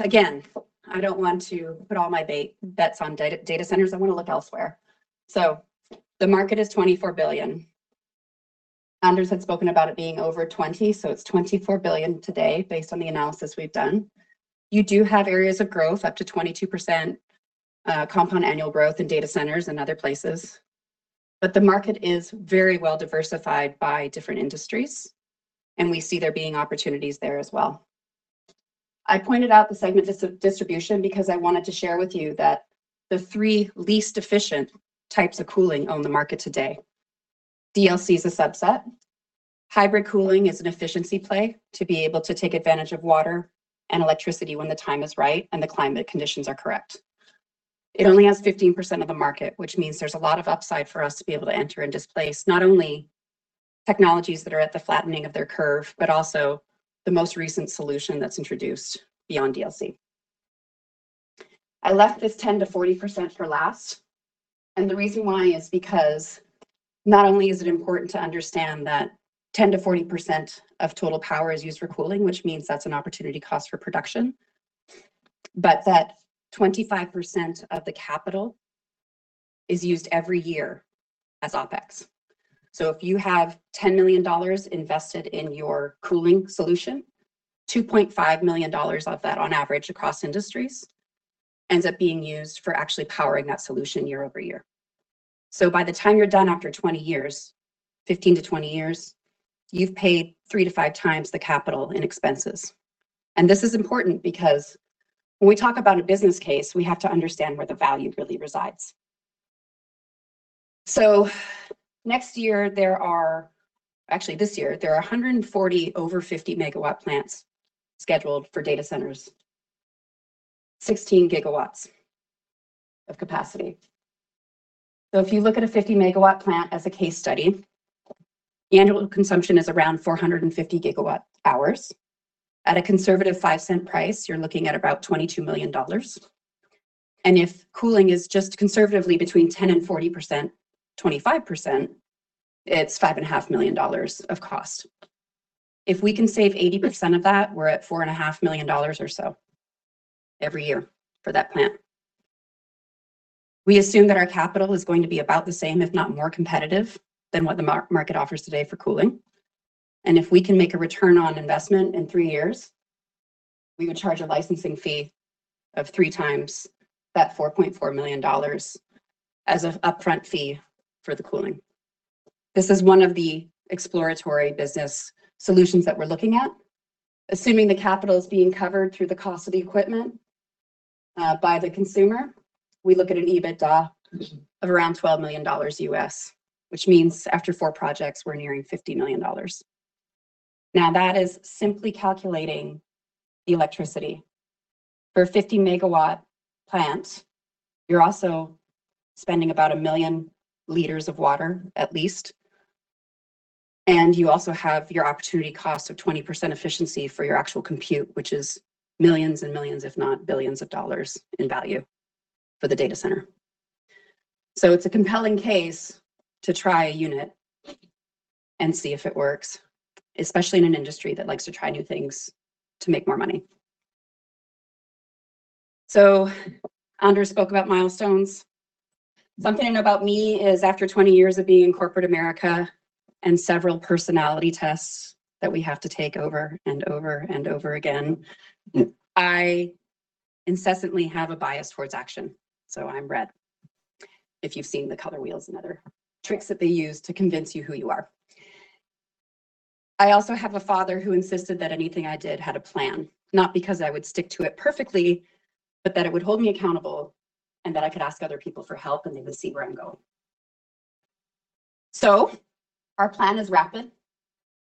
Again, I don't want to put all my bets on data centers. I want to look elsewhere. The market is $24 billion. Anders had spoken about it being over $20 billion, it's $24 billion today based on the analysis we've done. You do have areas of growth up to 22% compound annual growth in data centers and other places. The market is very well diversified by different industries. We see there being opportunities there as well. I pointed out the segment distribution because I wanted to share with you that the three least efficient types of cooling own the market today. DLC is a subset. Hybrid cooling is an efficiency play to be able to take advantage of water and electricity when the time is right and the climate conditions are correct. It only has 15% of the market, which means there's a lot of upside for us to be able to enter and displace not only technologies that are at the flattening of their curve, but also the most recent solution that's introduced beyond DLC. I left this 10%-40% for last. The reason why is because not only is it important to understand that 10%-40% of total power is used for cooling, which means that's an opportunity cost for production, but that 25% of the capital is used every year as OpEx. If you have $10 million invested in your cooling solution, $2.5 million of that on average across industries ends up being used for actually powering that solution year-over-year. By the time you're done after 20 years, 15-20 years, you've paid three-five times the capital in expenses. This is important because when we talk about a business case, we have to understand where the value really resides. Next year there are, actually this year, there are 140 over 50 MW plants scheduled for data centers, 16 GW of capacity. If you look at a 50 MW plant as a case study, annual consumption is around 450 GW hours. At a conservative $0.05 price, you're looking at about $22 million. If cooling is just conservatively between 10% and 40%, 25%, it's $5.5 million of cost. If we can save 80% of that, we're at four and a half million dollars or so every year for that plant. We assume that our capital is going to be about the same, if not more competitive than what the market offers today for cooling. If we can make a return on investment in three years, we would charge a licensing fee of three times that $4.4 million as an upfront fee for the cooling. This is one of the exploratory business solutions that we're looking at. Assuming the capital is being covered through the cost of the equipment by the consumer, we look at an EBITDA of around $12 million U.S., which means after four projects, we're nearing $50 million. That is simply calculating the electricity. For a 50 MW plant, you're also spending about a million liters of water at least. You also have your opportunity cost of 20% efficiency for your actual compute, which is millions and millions, if not billions of dollars in value for the data center. It's a compelling case to try a unit and see if it works, especially in an industry that likes to try new things to make more money. Anders spoke about milestones. Something to know about me is after 20 years of being in corporate America and several personality tests that we have to take over and over and over again, I incessantly have a bias towards action. I'm red, if you've seen the color wheels and other tricks that they use to convince you who you are. I also have a father who insisted that anything I did had a plan, not because I would stick to it perfectly, but that it would hold me accountable and that I could ask other people for help and they would see where I'm going. Our plan is rapid,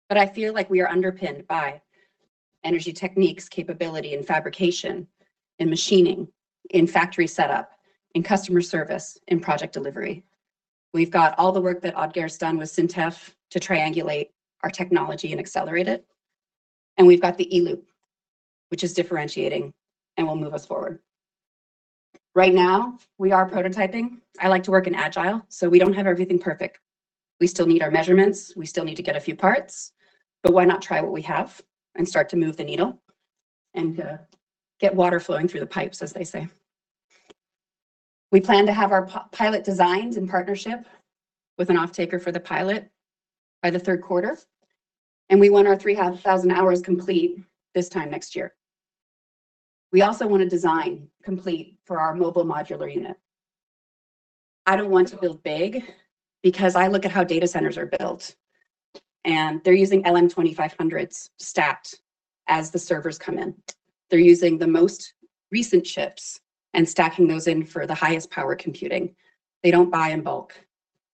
but I feel like we are underpinned by Energi Teknikk, capability and fabrication and machining in factory setup and customer service in project delivery. We've got all the work that Odd-Geir's done with SINTEF to triangulate our technology and accelerate it. We've got the e-Loop, which is differentiating and will move us forward. Right now we are prototyping. I like to work in Agile, so we don't have everything perfect. We still need our measurements, we still need to get a few parts, why not try what we have and start to move the needle and to get water flowing through the pipes, as they say. We plan to have our pilot designs in partnership with an offtaker for the pilot by the third quarter, we want our 3,000 hours complete this time next year. We also want a design complete for our mobile modular unit. I don't want to build big because I look at how data centers are built, they're using LM2500s stacked as the servers come in. They're using the most recent chips and stacking those in for the highest power computing. They don't buy in bulk.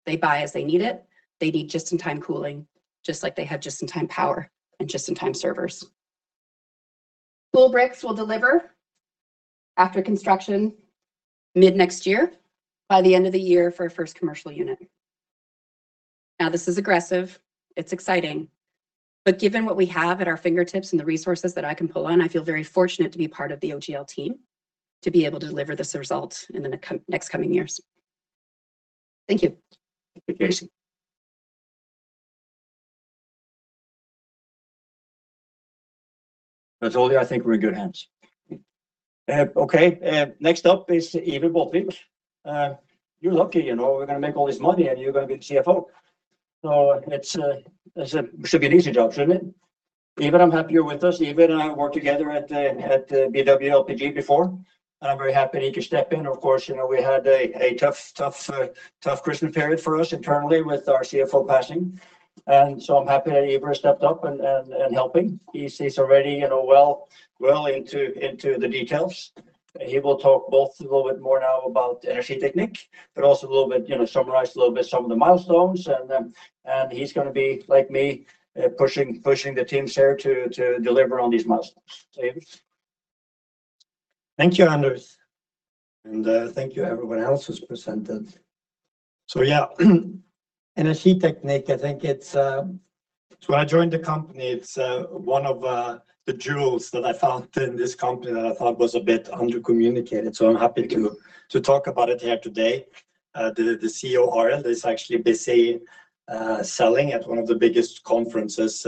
They buy as they need it. They need just in time cooling, just like they have just in time power and just in time servers. Coolbricks will deliver after construction mid next year, by the end of the year for a first commercial unit. This is aggressive, it's exciting, given what we have at our fingertips and the resources that I can pull on, I feel very fortunate to be part of the OGL team to be able to deliver this result in the co-next coming years. Thank you. Thank you, KC. That's all. I think we're in good hands. Okay. Next up is Iver Båtvik. You're lucky, you know, we're gonna make all this money, and you're gonna be the CFO. It should be an easy job, shouldn't it? Iver, I'm happy you're with us. Iver and I worked together at BW LPG before. I'm very happy that he could step in. Of course, you know, we had a tough Christmas period for us internally with our CFO passing, and so I'm happy that Iver stepped up and helping. He's already, you know, well into the details. He will talk both a little bit more now about the Energi Teknikk, but also a little bit, you know, summarize a little bit some of the milestones. He's gonna be, like me, pushing the teams here to deliver on these milestones. Iver. Thank you, Anders, and thank you everyone else who's presented. Yeah. Energi Teknikk, I think it's one of the jewels that I found in this company that I thought was a bit under-communicated, so I'm happy to talk about it here today. The CEO, Ørjan, is actually busy selling at one of the biggest conferences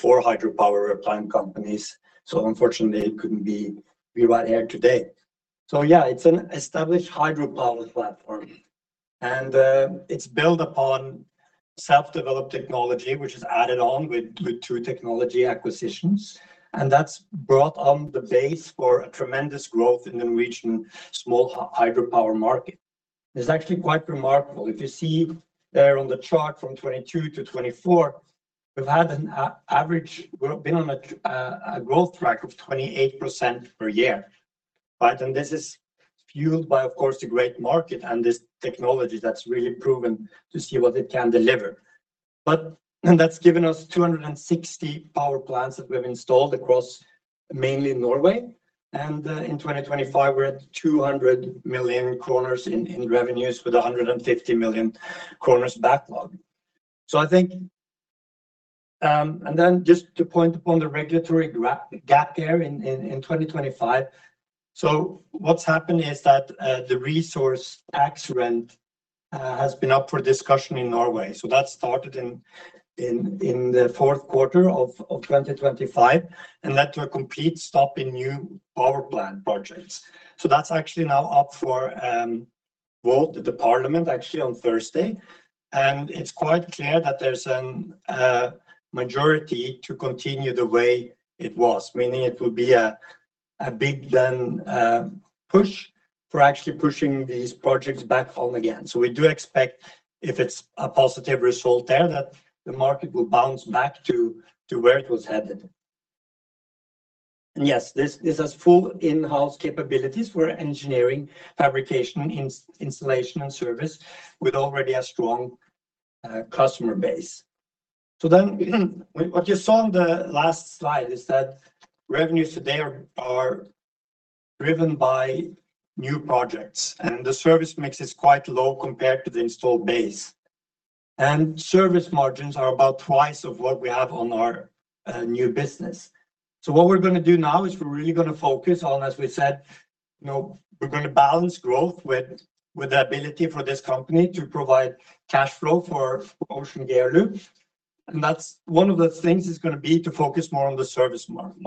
for hydropower plant companies, so unfortunately he couldn't be right here today. Yeah, it's an established hydropower platform, and it's built upon self developed technology, which is added on with two technology acquisitions, and that's brought on the base for a tremendous growth in the Norwegian small hydropower market. It's actually quite remarkable. If you see there on the chart from 2022 to 2024, we've had an average been on a growth track of 28% per year, right? This is fueled by, of course, the great market and this technology that's really proven to see what it can deliver. That's given us 260 power plants that we've installed across mainly Norway, and in 2025, we're at 200 million kroner in revenues with a 150 million kroner backlog. I think, and then just to point upon the regulatory gap there in 2025. What's happened is that the resource rent tax has been up for discussion in Norway. That started in the fourth quarter of 2025 and led to a complete stop in new power plant projects. That's actually now up for vote at the parliament actually on Thursday. It's quite clear that there's a majority to continue the way it was, meaning it would be a big push for actually pushing these projects back on again. We do expect, if it's a positive result there, that the market will bounce back to where it was headed. Yes, this has full in-house capabilities for engineering, fabrication, installation and service with already a strong customer base. What you saw on the last slide is that revenues today are driven by new projects, and the service mix is quite low compared to the installed base. Service margins are about twice of what we have on our new business. What we're gonna do now is we're really gonna focus on, as we said, you know, we're gonna balance growth with the ability for this company to provide cash flow for Ocean GeoLoop. That's one of the things is gonna be to focus more on the service market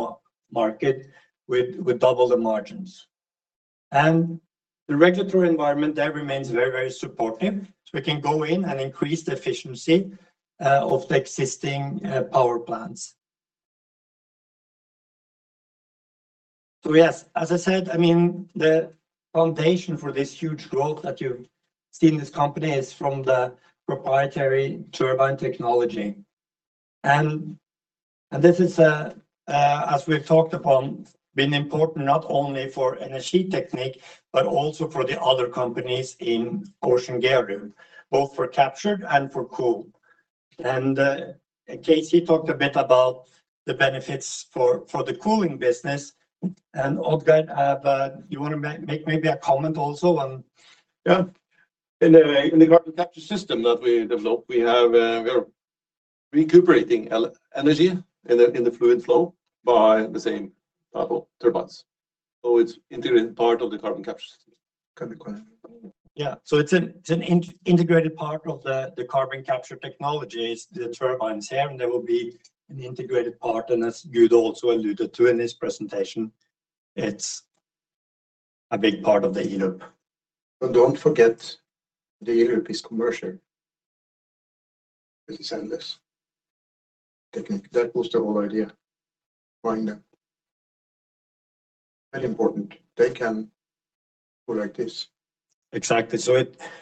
with double the margins. The regulatory environment there remains very, very supportive, so we can go in and increase the efficiency of the existing power plants. Yes, as I said, I mean, the foundation for this huge growth that you've seen this company is from the proprietary turbine technology. This is, as we've talked upon, been important not only for Energy Technique, but also for the other companies in Ocean GeoLoop, both for captured and for COOL. KC talked a bit about the benefits for the cooling business and, Odd-Geir, you wanna make maybe a comment also. Yeah. In the carbon capture system that we developed. Recuperating ele-energy in the fluid flow by the same type of turbines. It's integrated part of the carbon capture system. Good question. Yeah. It's an integrated part of the carbon capture technology is the turbines here, and they will be an integrated part. As Gude also alluded to in his presentation, it's a big part of the E-Loop. Don't forget, the E-Loop is commercial with this Energi Teknikk. That was the whole idea, buying them. Very important. They can go like this. Exactly.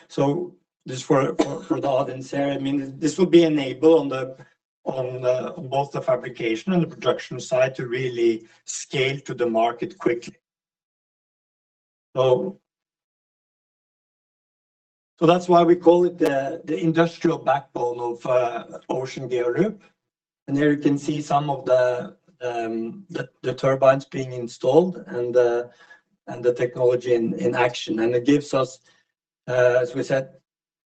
So just for the audience here, I mean, this will be enabled on the on both the fabrication and the production side to really scale to the market quickly. So that's why we call it the industrial backbone of Ocean GeoLoop. Here you can see some of the turbines being installed and the technology in action. It gives us, as we said,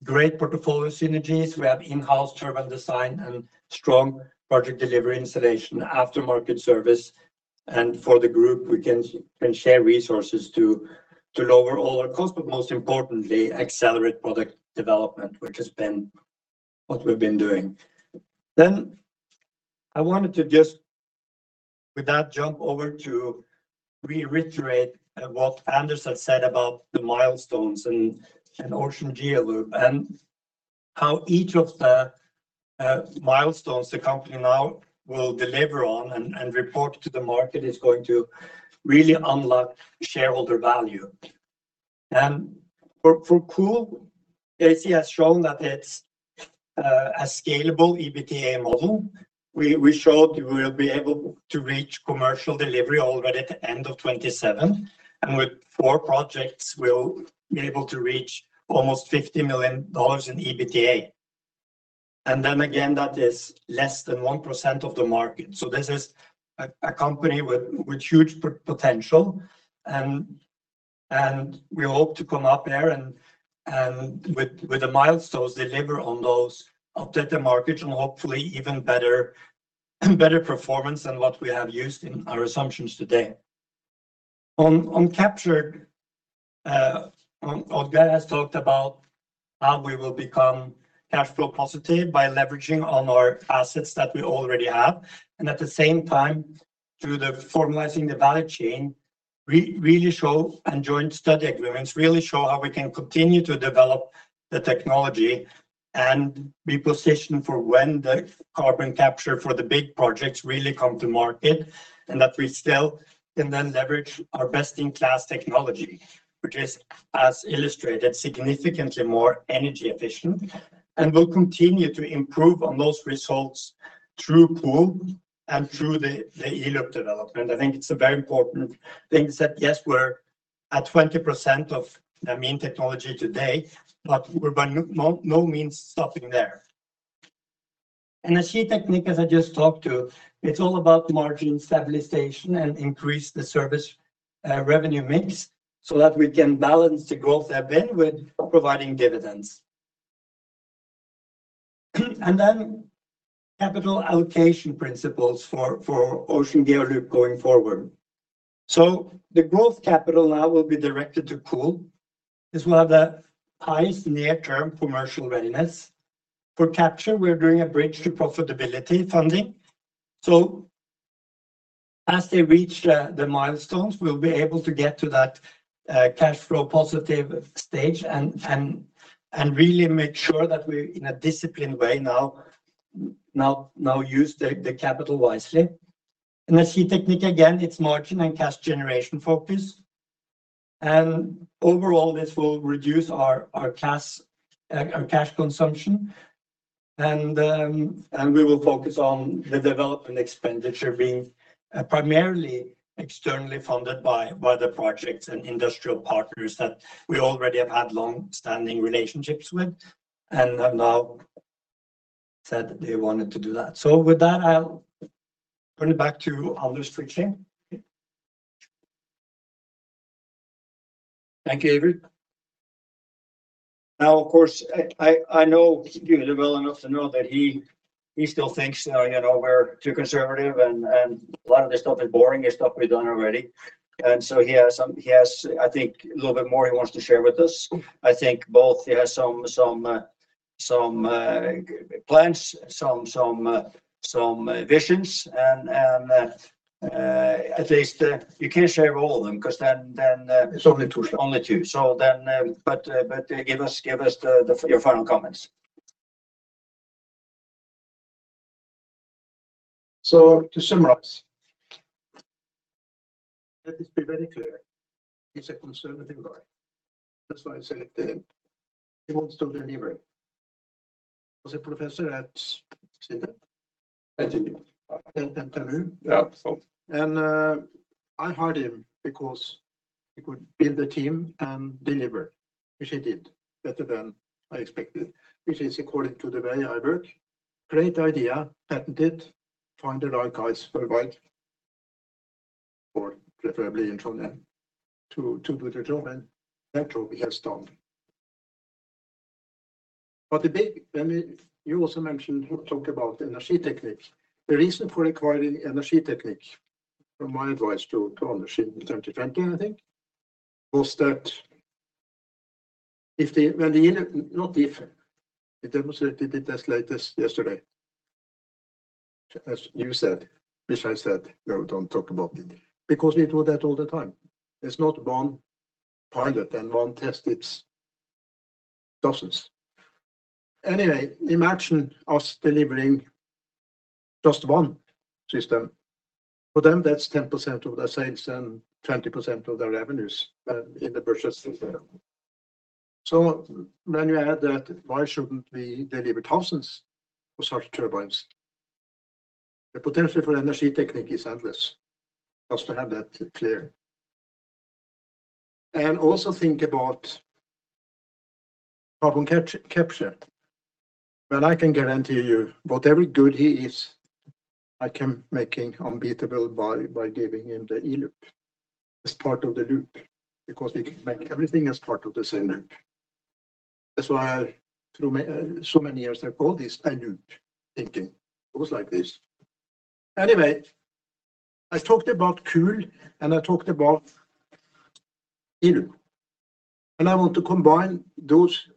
great portfolio synergies. We have in house turbine design and strong project delivery installation, aftermarket service. For the group, we can share resources to lower all our costs, but most importantly, accelerate product development, which has been what we've been doing. I wanted to just with that, jump over to reiterate what Anders Onarheim had said about the milestones and Ocean GeoLoop and how each of the milestones the company now will deliver on and report to the market is going to really unlock shareholder value. For COOL, Casey has shown that it's a scalable EBITDA model. We showed we will be able to reach commercial delivery already at the end of 2027. With four projects, we'll be able to reach almost $50 million in EBITDA. Then again, that is less than 1% of the market. This is a company with huge potential. We hope to come up there and with the milestones, deliver on those, update the market, and hopefully even better performance than what we have used in our assumptions today. On captured, Odd-Geir has talked about how we will become cash flow positive by leveraging on our assets that we already have, and at the same time, through the formalizing the value chain, really show and joint study agreements, really show how we can continue to develop the technology and be positioned for when the carbon capture for the big projects really come to market, and that we still can then leverage our best in class technology, which is, as illustrated, significantly more energy efficient and will continue to improve on those results through COOL and through the E-Loop development. I think it's a very important thing to set. Yes, we're at 20% of the main technology today, but we're by no, no means stopping there. The Energy Technique, as I just talked to, it's all about margin stabilization and increase the service revenue mix so that we can balance the growth we have been with providing dividends. Capital allocation principles for Ocean-GeoLoop going forward. The growth capital now will be directed to COOL. This will have the highest near-term commercial readiness. For capture, we're doing a bridge to profitability funding. As they reach the milestones, we'll be able to get to that cash flow positive stage and really make sure that we, in a disciplined way now use the capital wisely. Energi Teknikk again, it's margin and cash generation focus. Overall, this will reduce our cash consumption. We will focus on the development expenditure being primarily externally funded by the projects and industrial partners that we already have had long standing relationships with and have now said they wanted to do that. With that, I'll turn it back to Anders Onarheim. Thank you, Iver. Now, of course, I know Gude well enough to know that he still thinks, you know, we're too conservative and a lot of this stuff is boring, it's stuff we've done already. He has, I think, a little bit more he wants to share with us. I think both he has some plans, some visions. At least, you can't share all of them because then. It's only two. Only two. Give us the your final comments. To summarize. Let this be very clear. He's a conservative guy. That's why I said he wants to deliver. He was a professor at NTNU. NTNU. Yeah. I hired him because he could build a team and deliver, which he did better than I expected, which is according to the way I work. Great idea, patented, find the right guys for the right. Preferably in from then to do the job and that job we have done. You also talk about Energi Teknikk. The reason for requiring Energi Teknikk, from my advice to Anders in 2020, I think, was that not if. We demonstrated it as late as yesterday. As you said, which I said, "No, don't talk about it," because we do that all the time. It's not one pilot and onw test, it's dozens. Imagine us delivering just one system. For them, that's 10% of their sales and 20% of their revenues in the purchase system. When you add that, why shouldn't we deliver thousands of such turbines? The potential for Energi Teknikk is endless. Just to have that clear. Also think about carbon capture. I can guarantee you, whatever good he is, I can make him unbeatable by giving him the e-Loop as part of the loop, because we can make everything as part of the same loop. That's why through so many years, I call this a loop thinking. It was like this. I talked about COOL and I talked about E-Loop, and I want to combine those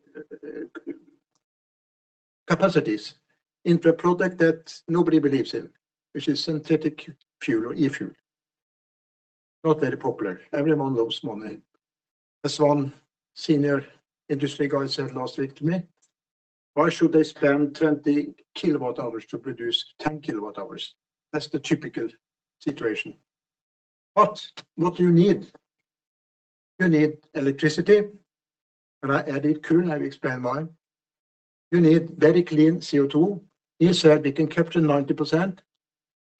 capacities into a product that nobody believes in, which is synthetic fuel or e-fuel, not very popular. Everyone loves money. As one senior industry guy said last week to me, "Why should I spend 20 kW hours to produce 10 kW hours?" That's the typical situation. What do you need? You need electricity, and I added COOL, and I will explain why. You need very clean CO2. He said we can capture 90%.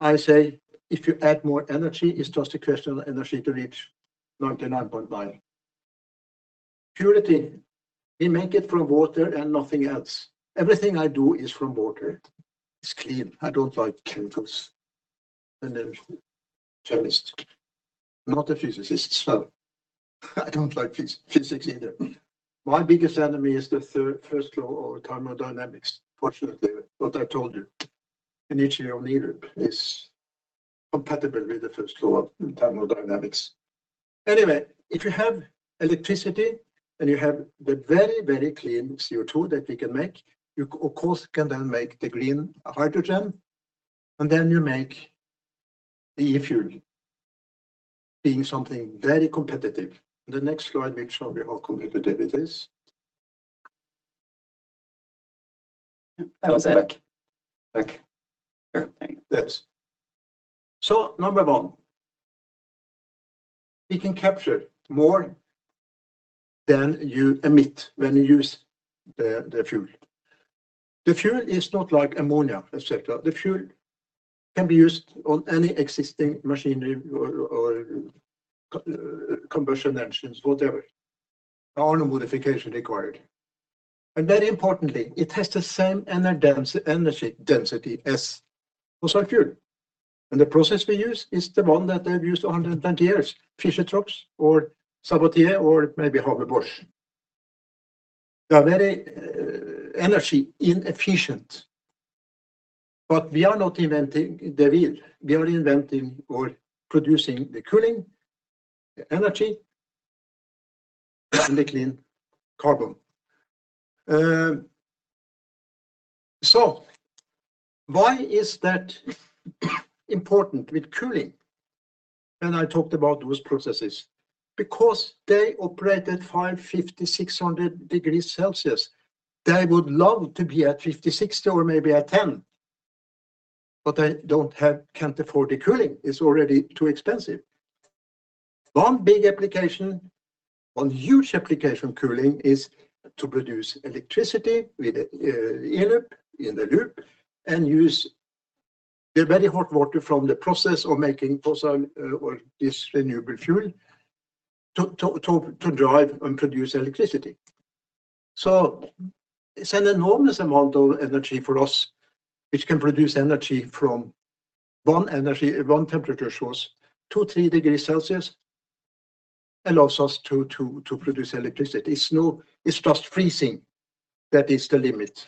I say, if you add more energy, it's just a question of energy to reach 99.9%. Purity. We make it from water and nothing else. Everything I do is from water. It's clean. I don't like chemicals. I'm a chemist, not a physicist, so I don't like physics either. My biggest enemy is the first law of thermodynamics. Fortunately, what I told you, initially on E-Loop, is compatible with the first law of thermodynamics. Anyway, if you have electricity and you have the very, very clean CO2 that we can make, you of course, can then make the green hydrogen, and then you make the e-fuel being something very competitive. The next slide will show you how competitive it is. That was it. Back. Back. Sure. Thank you. Yes. Number one, we can capture more than you emit when you use the fuel. The fuel is not like ammonia, et cetera. The fuel can be used on any existing machinery or combustion engines, whatever. There are no modification required. Very importantly, it has the same energy density as fossil fuel. The process we use is the one that they've used 110 years, Fischer-Tropsch or Sabatier, or maybe Haber-Bosch. They are very energy inefficient, but we are not inventing the wheel. We are inventing or producing the cooling, the energy, and the clean carbon. Why is that important with cooling? I talked about those processes. They operate at 550, 600 degrees Celsius. They would love to be at 50, 60 or maybe at 10, but they can't afford the cooling. It's already too expensive. One big application, one huge application of cooling is to produce electricity with the E-Loop in the loop and use the very hot water from the process of making fossil or this renewable fuel to drive and produce electricity. It's an enormous amount of energy for us, which can produce energy from one temperature source, two, three degrees Celsius, allows us to produce electricity. It's just freezing, that is the limit.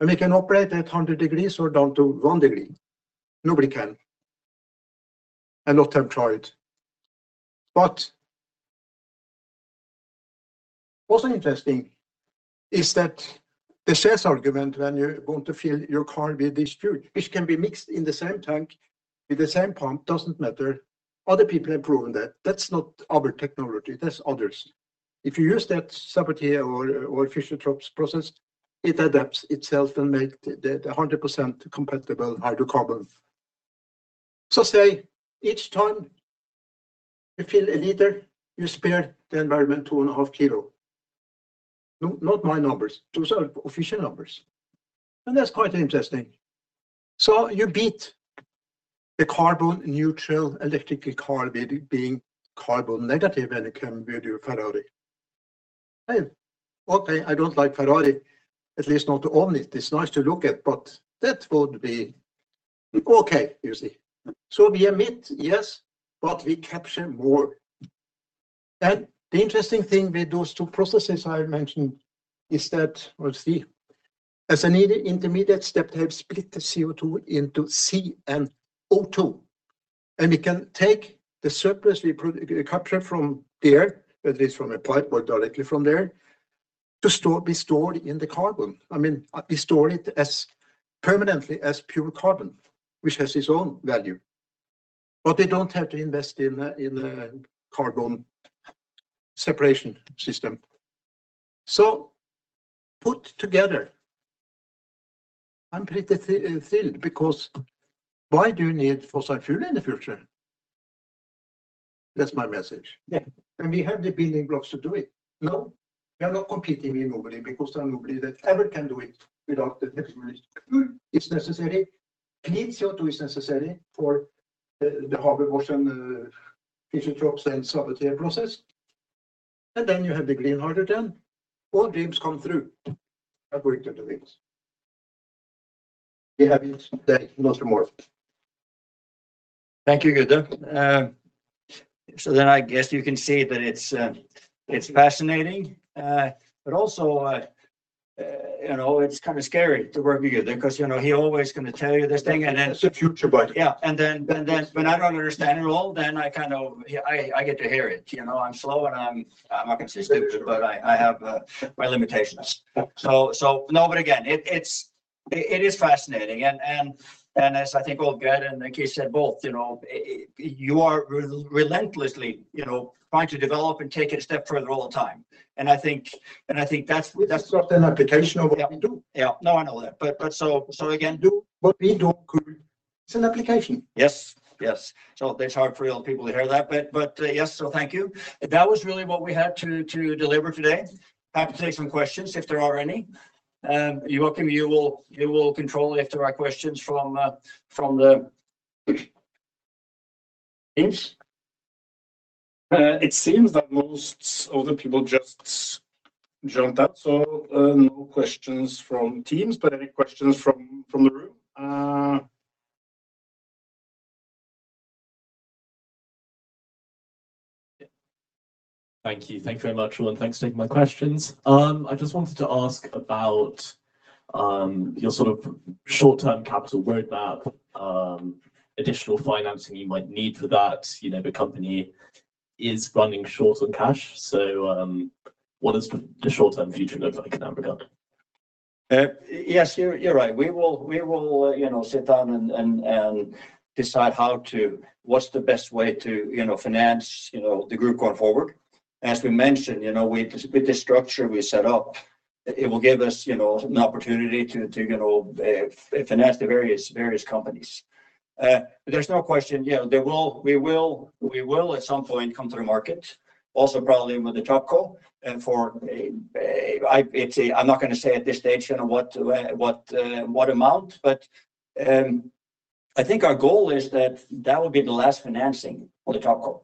We can operate at 100 degrees or down to one degree. Nobody can. A lot have tried. What's interesting is that the sales argument when you're going to fill your car with this fuel, which can be mixed in the same tank with the same pump, doesn't matter. Other people have proven that. That's not our technology. That's others. If you use that Sabatier or Fischer-Tropsch process, it adapts itself and make the 100% compatible hydrocarbon. Say each time you fill a liter, you spare the environment 2.5 kilo. Not my numbers. Those are official numbers. That's quite interesting. You beat the carbon neutral electric car by it being carbon negative when it come with your Ferrari. I okay, I don't like Ferrari, at least not to own it. It's nice to look at, but that would be okay, you see? We emit, yes, but we capture more. The interesting thing with those two processes I mentioned is that, let's see, as an intermediate step, they have split CO2 into C and O2, and we can take the surplus we capture from the air, at least from a pipe or directly from there, to be stored in the carbon. I mean, be stored as permanently as pure carbon, which has its own value. They don't have to invest in the carbon separation system. Put together, I'm pretty thrilled because why do you need fossil fuel in the future? That's my message. Yeah. We have the building blocks to do it. No, we are not competing with nobody because there are nobody that ever can do it without the technology. Fuel is necessary. Clean CO2 is necessary for the Haber-Bosch and Fischer-Tropsch and Sabatier process. Then you have the green hydrogen. All dreams come true according to the dreams. We have used the most of morph. Thank you, Gudde. I guess you can see that it's fascinating. Also, you know, it's kind of scary to work with Gudde because, you know, he always gonna tell you this thing. It's the future. Yeah. Then when I don't understand it all, then I kind of, I get to hear it. You know, I'm slow, and I'm not gonna say stupid. That's true. Bbut I have my limitations. No, but again, it is fascinating, and as I think both Gude and then KC said both, you know, it, you are relentlessly, you know, trying to develop and take it a step further all the time. I think that's We just got an application of what we do. Yeah. No, I know that. so. What we do could. It's an application. Yes. Yes. That's hard for real people to hear that, but, yes, thank you. That was really what we had to deliver today. Happy to take some questions if there are any. Joakim, you will control if there are questions from the Teams. It seems that most of the people just dropped out, so no questions from Teams, but any questions from the room? Thank you. Thank you very much, all. Thanks for taking my questions. I just wanted to ask about your sort of short term capital roadmap, additional financing you might need for that. You know, the company is running short in cash. What does the short term future look like in that regard? Yes, you're right. We will, you know, sit down and decide how to what's the best way to, you know, finance, you know, the group going forward. As we mentioned, you know, with the structure we set up, it will give us, you know, an opportunity to, you know, finance the various companies. There's no question, you know, we will at some point come to the market also probably with the Topco for I'm not gonna say at this stage, you know, what amount, but I think our goal is that that would be the last financing for the Topco.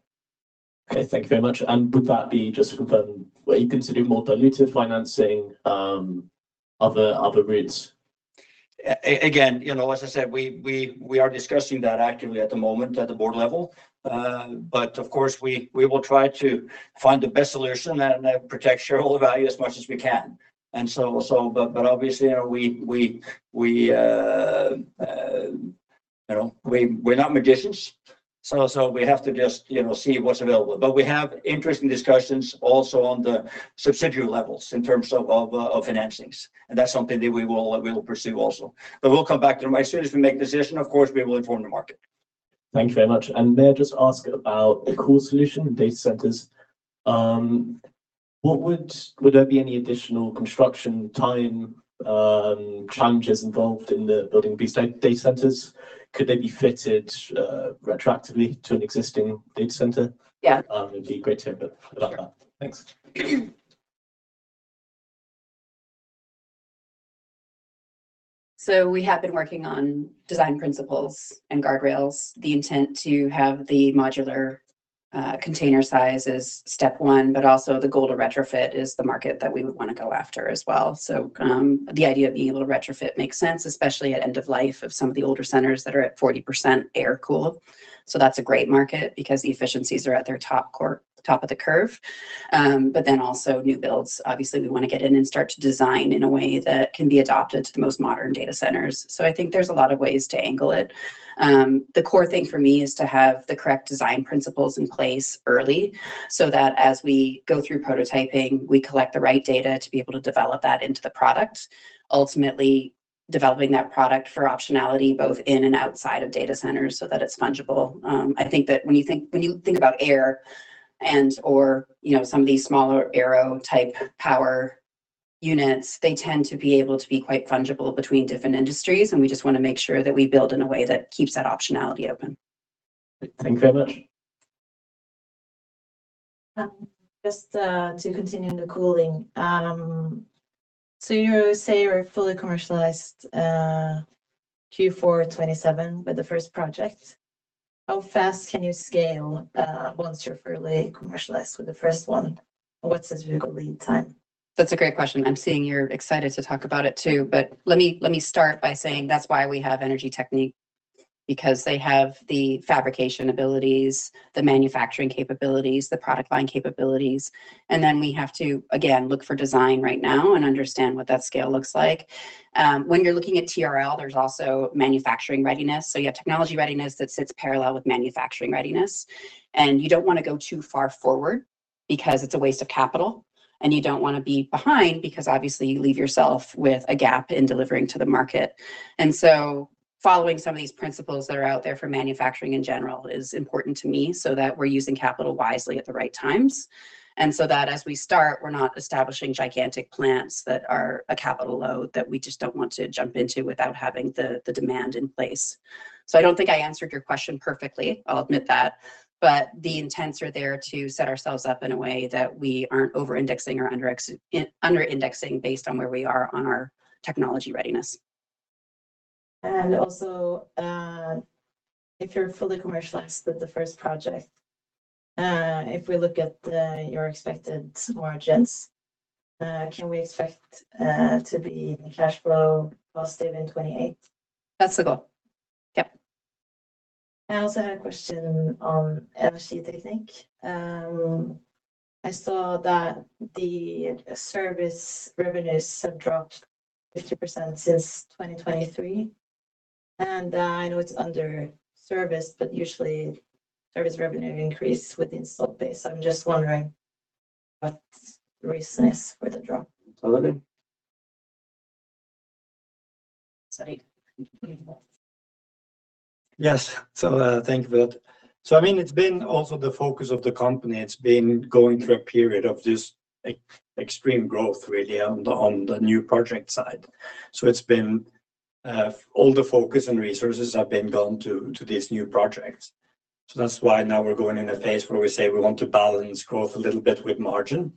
Okay. Thank you very much. Would that be just from the way you consider more diluted financing, other routes? Again, you know, as I said, we, we are discussing that actively at the moment at the board level. Of course, we will try to find the best solution that protects shareholder value as much as we can. Obviously, you know, we, we, you know, we're not magicians, so we have to just, you know, see what's available. We have interesting discussions also on the subsidiary levels in terms of financings, and that's something that we will pursue also. We'll come back to the market. As soon as we make a decision, of course, we will inform the market. Thank you very much. May I just ask about the COOL solution data centers. Would there be any additional construction time, challenges involved in the building these data centers? Could they be fitted, retroactively to an existing data center? Yeah. It'd be great to hear a bit about that. Thanks. We have been working on design principles and guardrails. The intent to have the modular container size is step one, the goal to retrofit is the market that we would wanna go after as well. The idea of being able to retrofit makes sense, especially at end of life of some of the older centers that are at 40% air-cooled. That's a great market because the efficiencies are at their top of the curve. New builds, obviously, we wanna get in and start to design in a way that can be adopted to the most modern data centers. I think there's a lot of ways to angle it. The core thing for me is to have the correct design principles in place early, so that as we go through prototyping, we collect the right data to be able to develop that into the product, ultimately developing that product for optionality both in and outside of data centers so that it's fungible. I think that when you think about air and/or, you know, some of these smaller aero-type power units, they tend to be able to be quite fungible between different industries, and we just wanna make sure that we build in a way that keeps that optionality open. Thank you very much. Just to continue in the cooling, you say you're fully commercialized Q4 2027 with the first project. How fast can you scale once you're fully commercialized with the first one? What's the typical lead time? That's a great question. I'm seeing you're excited to talk about it, too. Let me start by saying that's why we have Energi Teknikk because they have the fabrication abilities, the manufacturing capabilities, the product line capabilities, and then we have to, again, look for design right now and understand what that scale looks like. When you're looking at TRL, there's also manufacturing readiness. You have technology readiness that sits parallel with manufacturing readiness, and you don't want to go too far forward because it's a waste of capital, and you don't want to be behind because obviously you leave yourself with a gap in delivering to the market. Following some of these principles that are out there for manufacturing in general is important to me, so that we're using capital wisely at the right times, and so that as we start, we're not establishing gigantic plants that are a capital load that we just don't want to jump into without having the demand in place. I don't think I answered your question perfectly. I'll admit that. The intents are there to set ourselves up in a way that we aren't over indexing or under indexing based on where we are on our technology readiness. Also, if you're fully commercialized with the first project, if we look at your expected margins, can we expect to be cash flow positive in 2028? That's the goal. Yep. I also had a question on LSC, I think. I saw that the service revenues have dropped 50% since 2023. I know it's under service, but usually service revenue increase with the install base. I'm just wondering what the reason is for the drop. Odd-Geir. Sorry. Yes. Thank you for that. I mean, it's been also the focus of the company. It's been going through a period of this extreme growth really on the new project side. It's been all the focus and resources have been gone to these new projects. That's why now we're going in a phase where we say we want to balance growth a little bit with margin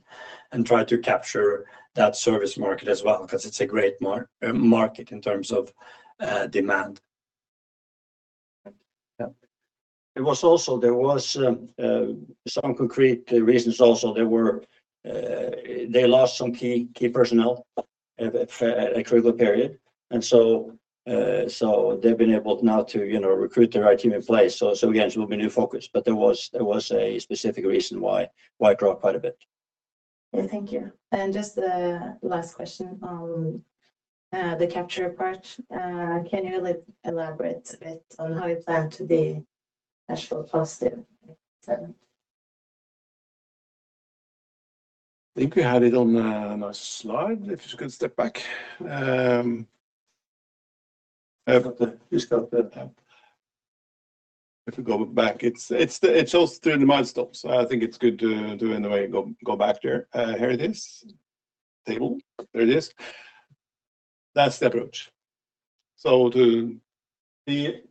and try to capture that service market as well, because it's a great market in terms of demand. Yeah. There were some concrete reasons also. There were, they lost some key personnel at a critical period. They've been able now to, you know, recruit the right team in place. Again, it will be new focus, but there was a specific reason why it dropped quite a bit. Yeah. Thank you. Just last question on the capture part. Can you elaborate a bit on how you plan to be cash flow positive in 2027? I think we had it on a nice slide, if you can step back. Just got the If we go back, it shows through the milestones. I think it's good to anyway go back there. Here it is. Table. There it is. That's the approach. The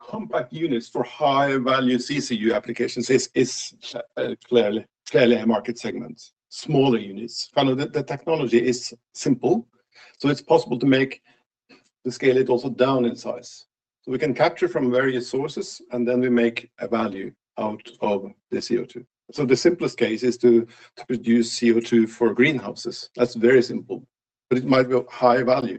compact units for high value CCU applications is clearly a market segment. Smaller units. Kind of the technology is simple, so it's possible to make the scale it also down in size. We can capture from various sources, and then we make a value out of the CO2. The simplest case is to produce CO2 for greenhouses. That's very simple, but it might be of high value.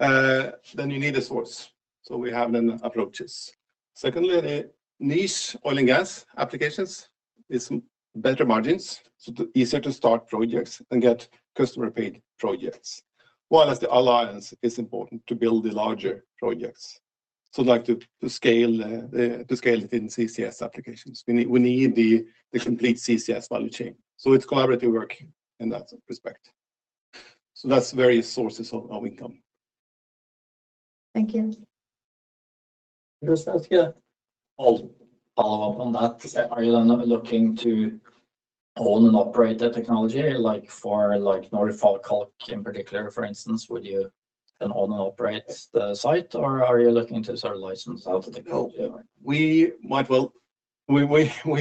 Then you need a source. We have then approaches. Secondly, the niche oil and gas applications is better margins, easier to start projects and get customer paid projects. The alliance is important to build the larger projects. Like to scale it in CCS applications, we need the complete CCS value chain. It's collaborative work in that respect. That's various sources of income. Thank you. Can I just ask you a follow up on that? Are you then looking to own and operate the technology, like for like NorFraKalk in particular, for instance, would you then own and operate the site, or are you looking to sort of license out the technology? We might well. We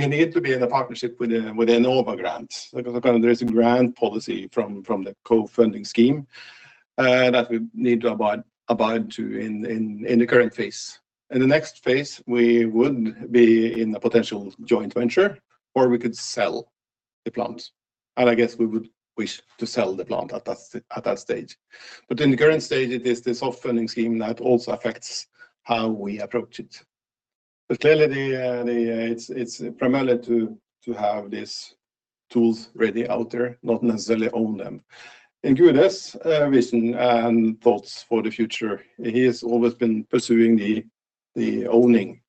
need to be in a partnership with a, with an over grant. There is a grant policy from the co-funding scheme that we need to abide to in the current phase. In the next phase, we would be in a potential joint venture, or we could sell the plant. I guess we would wish to sell the plant at that stage. In the current stage, it is this softening scheme that also affects how we approach it. Clearly, it's primarily to have these tools ready out there, not necessarily own them. In Gude's vision and thoughts for the future, he has always been pursuing the owning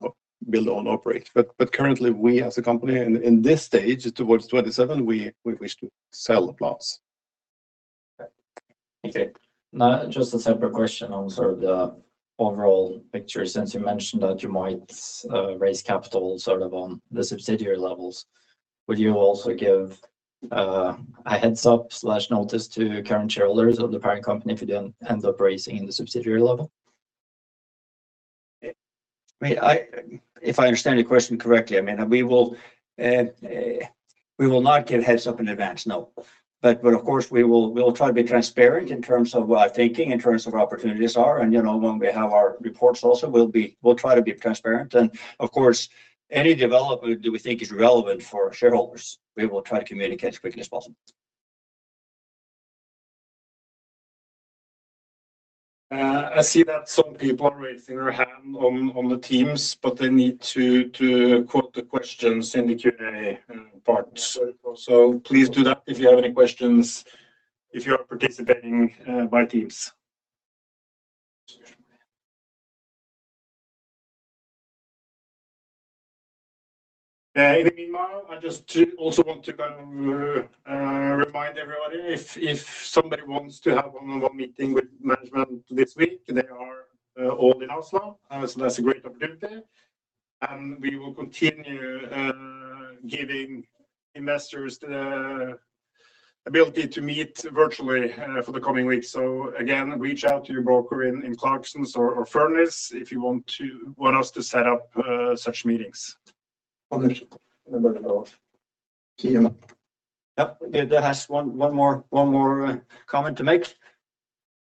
or build, own, operate. Currently, we as a company in this stage towards 2027, we wish to sell the plants. Okay. Now just a separate question on sort of the overall picture. Since you mentioned that you might raise capital sort of on the subsidiary levels, would you also give a heads-up/notice to current shareholders of the parent company if you then end up raising in the subsidiary level? If I understand the question correctly, I mean, we will not give heads up in advance, no. Of course, we will try to be transparent in terms of our thinking, in terms of opportunities are, and, you know, when we have our reports also, we'll try to be transparent. Of course, any development that we think is relevant for shareholders, we will try to communicate as quickly as possible. I see that some people are raising their hand on the Teams, but they need to quote the questions in the Q and A part. Please do that if you have any questions, if you are participating by Teams. In the meanwhile, I just also want to kind of remind everybody if somebody wants to have a one on one meeting with management this week, they are all in Oslo, so that's a great opportunity. We will continue giving investors the ability to meet virtually for the coming weeks. Again, reach out to your broker in Clarksons or Furness if you want us to set up such meetings. Yep. There has one more comment to make.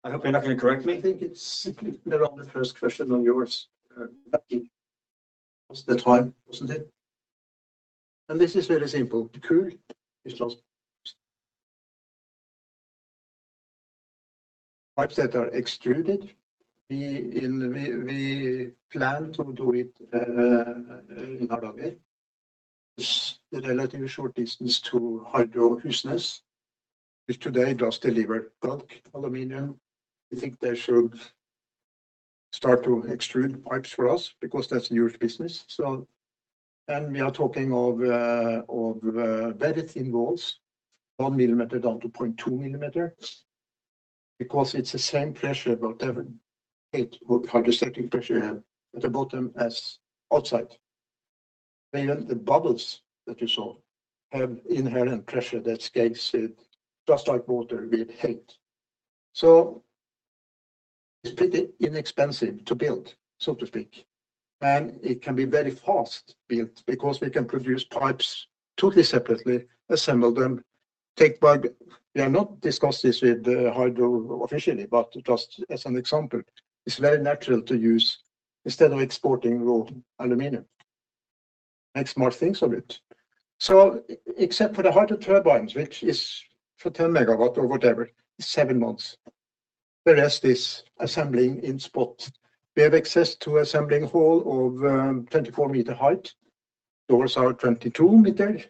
I hope you're not gonna correct me. I think it's a little on the first question on yours. It was the time, wasn't it? This is very simple. COOL is just pipes that are extruded. We plan to do it in Halhoge. It's a relatively short distance to Hydro Husnes, which today does deliver bulk aluminum. We think they should start to extrude pipes for us because that's newer business, so. We are talking of very thin walls, one millimeter down to 0.2 millimeters, because it's the same pressure, whatever height hydrostatic pressure at the bottom as outside. Even the bubbles that you saw have inherent pressure that escapes it, just like water with height. It's pretty inexpensive to build, so to speak. It can be very fast built because we can produce pipes totally separately, assemble them, take by... We have not discussed this with Norsk Hydro officially, just as an example, it's very natural to use instead of exporting raw aluminum. Make smart things of it. Except for the hydro turbines, which is for 10 MW or whatever, seven months. The rest is assembling in spots. We have access to assembling hall of 24 meters height. Doors are 22 meters.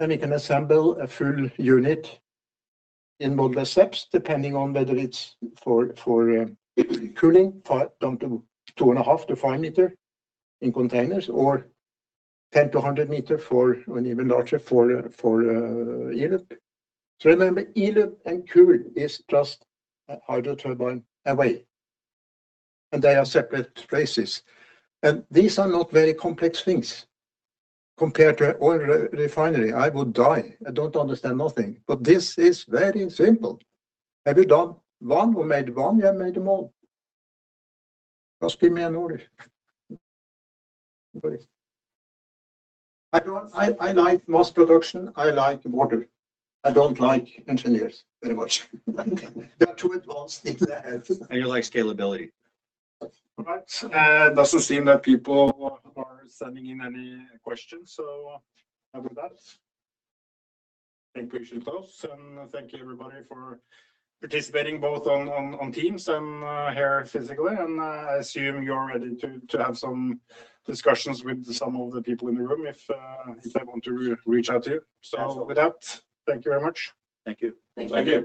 We can assemble a full unit in modular steps, depending on whether it's for cooling, down to 2.5-5 meters in containers or 10-100 meters for, or even larger for e-Loop. Remember, E-Loop and COOL is just a hydro turbine away, and they are separate spaces. These are not very complex things compared to oil re-refinery. I would die. I don't understand nothing. This is very simple. Have you done one? We made one, we have made them all. Just give me an order. I like mass production. I like water. I don't like engineers very much. They are too advanced in their heads. You like scalability. All right. It doesn't seem that people are sending in any questions. With that, I think we should close. Thank you, everybody, for participating both on Teams and here physically. I assume you're ready to have some discussions with some of the people in the room if they want to reach out to you. With that, thank you very much. Thank you. Thank you.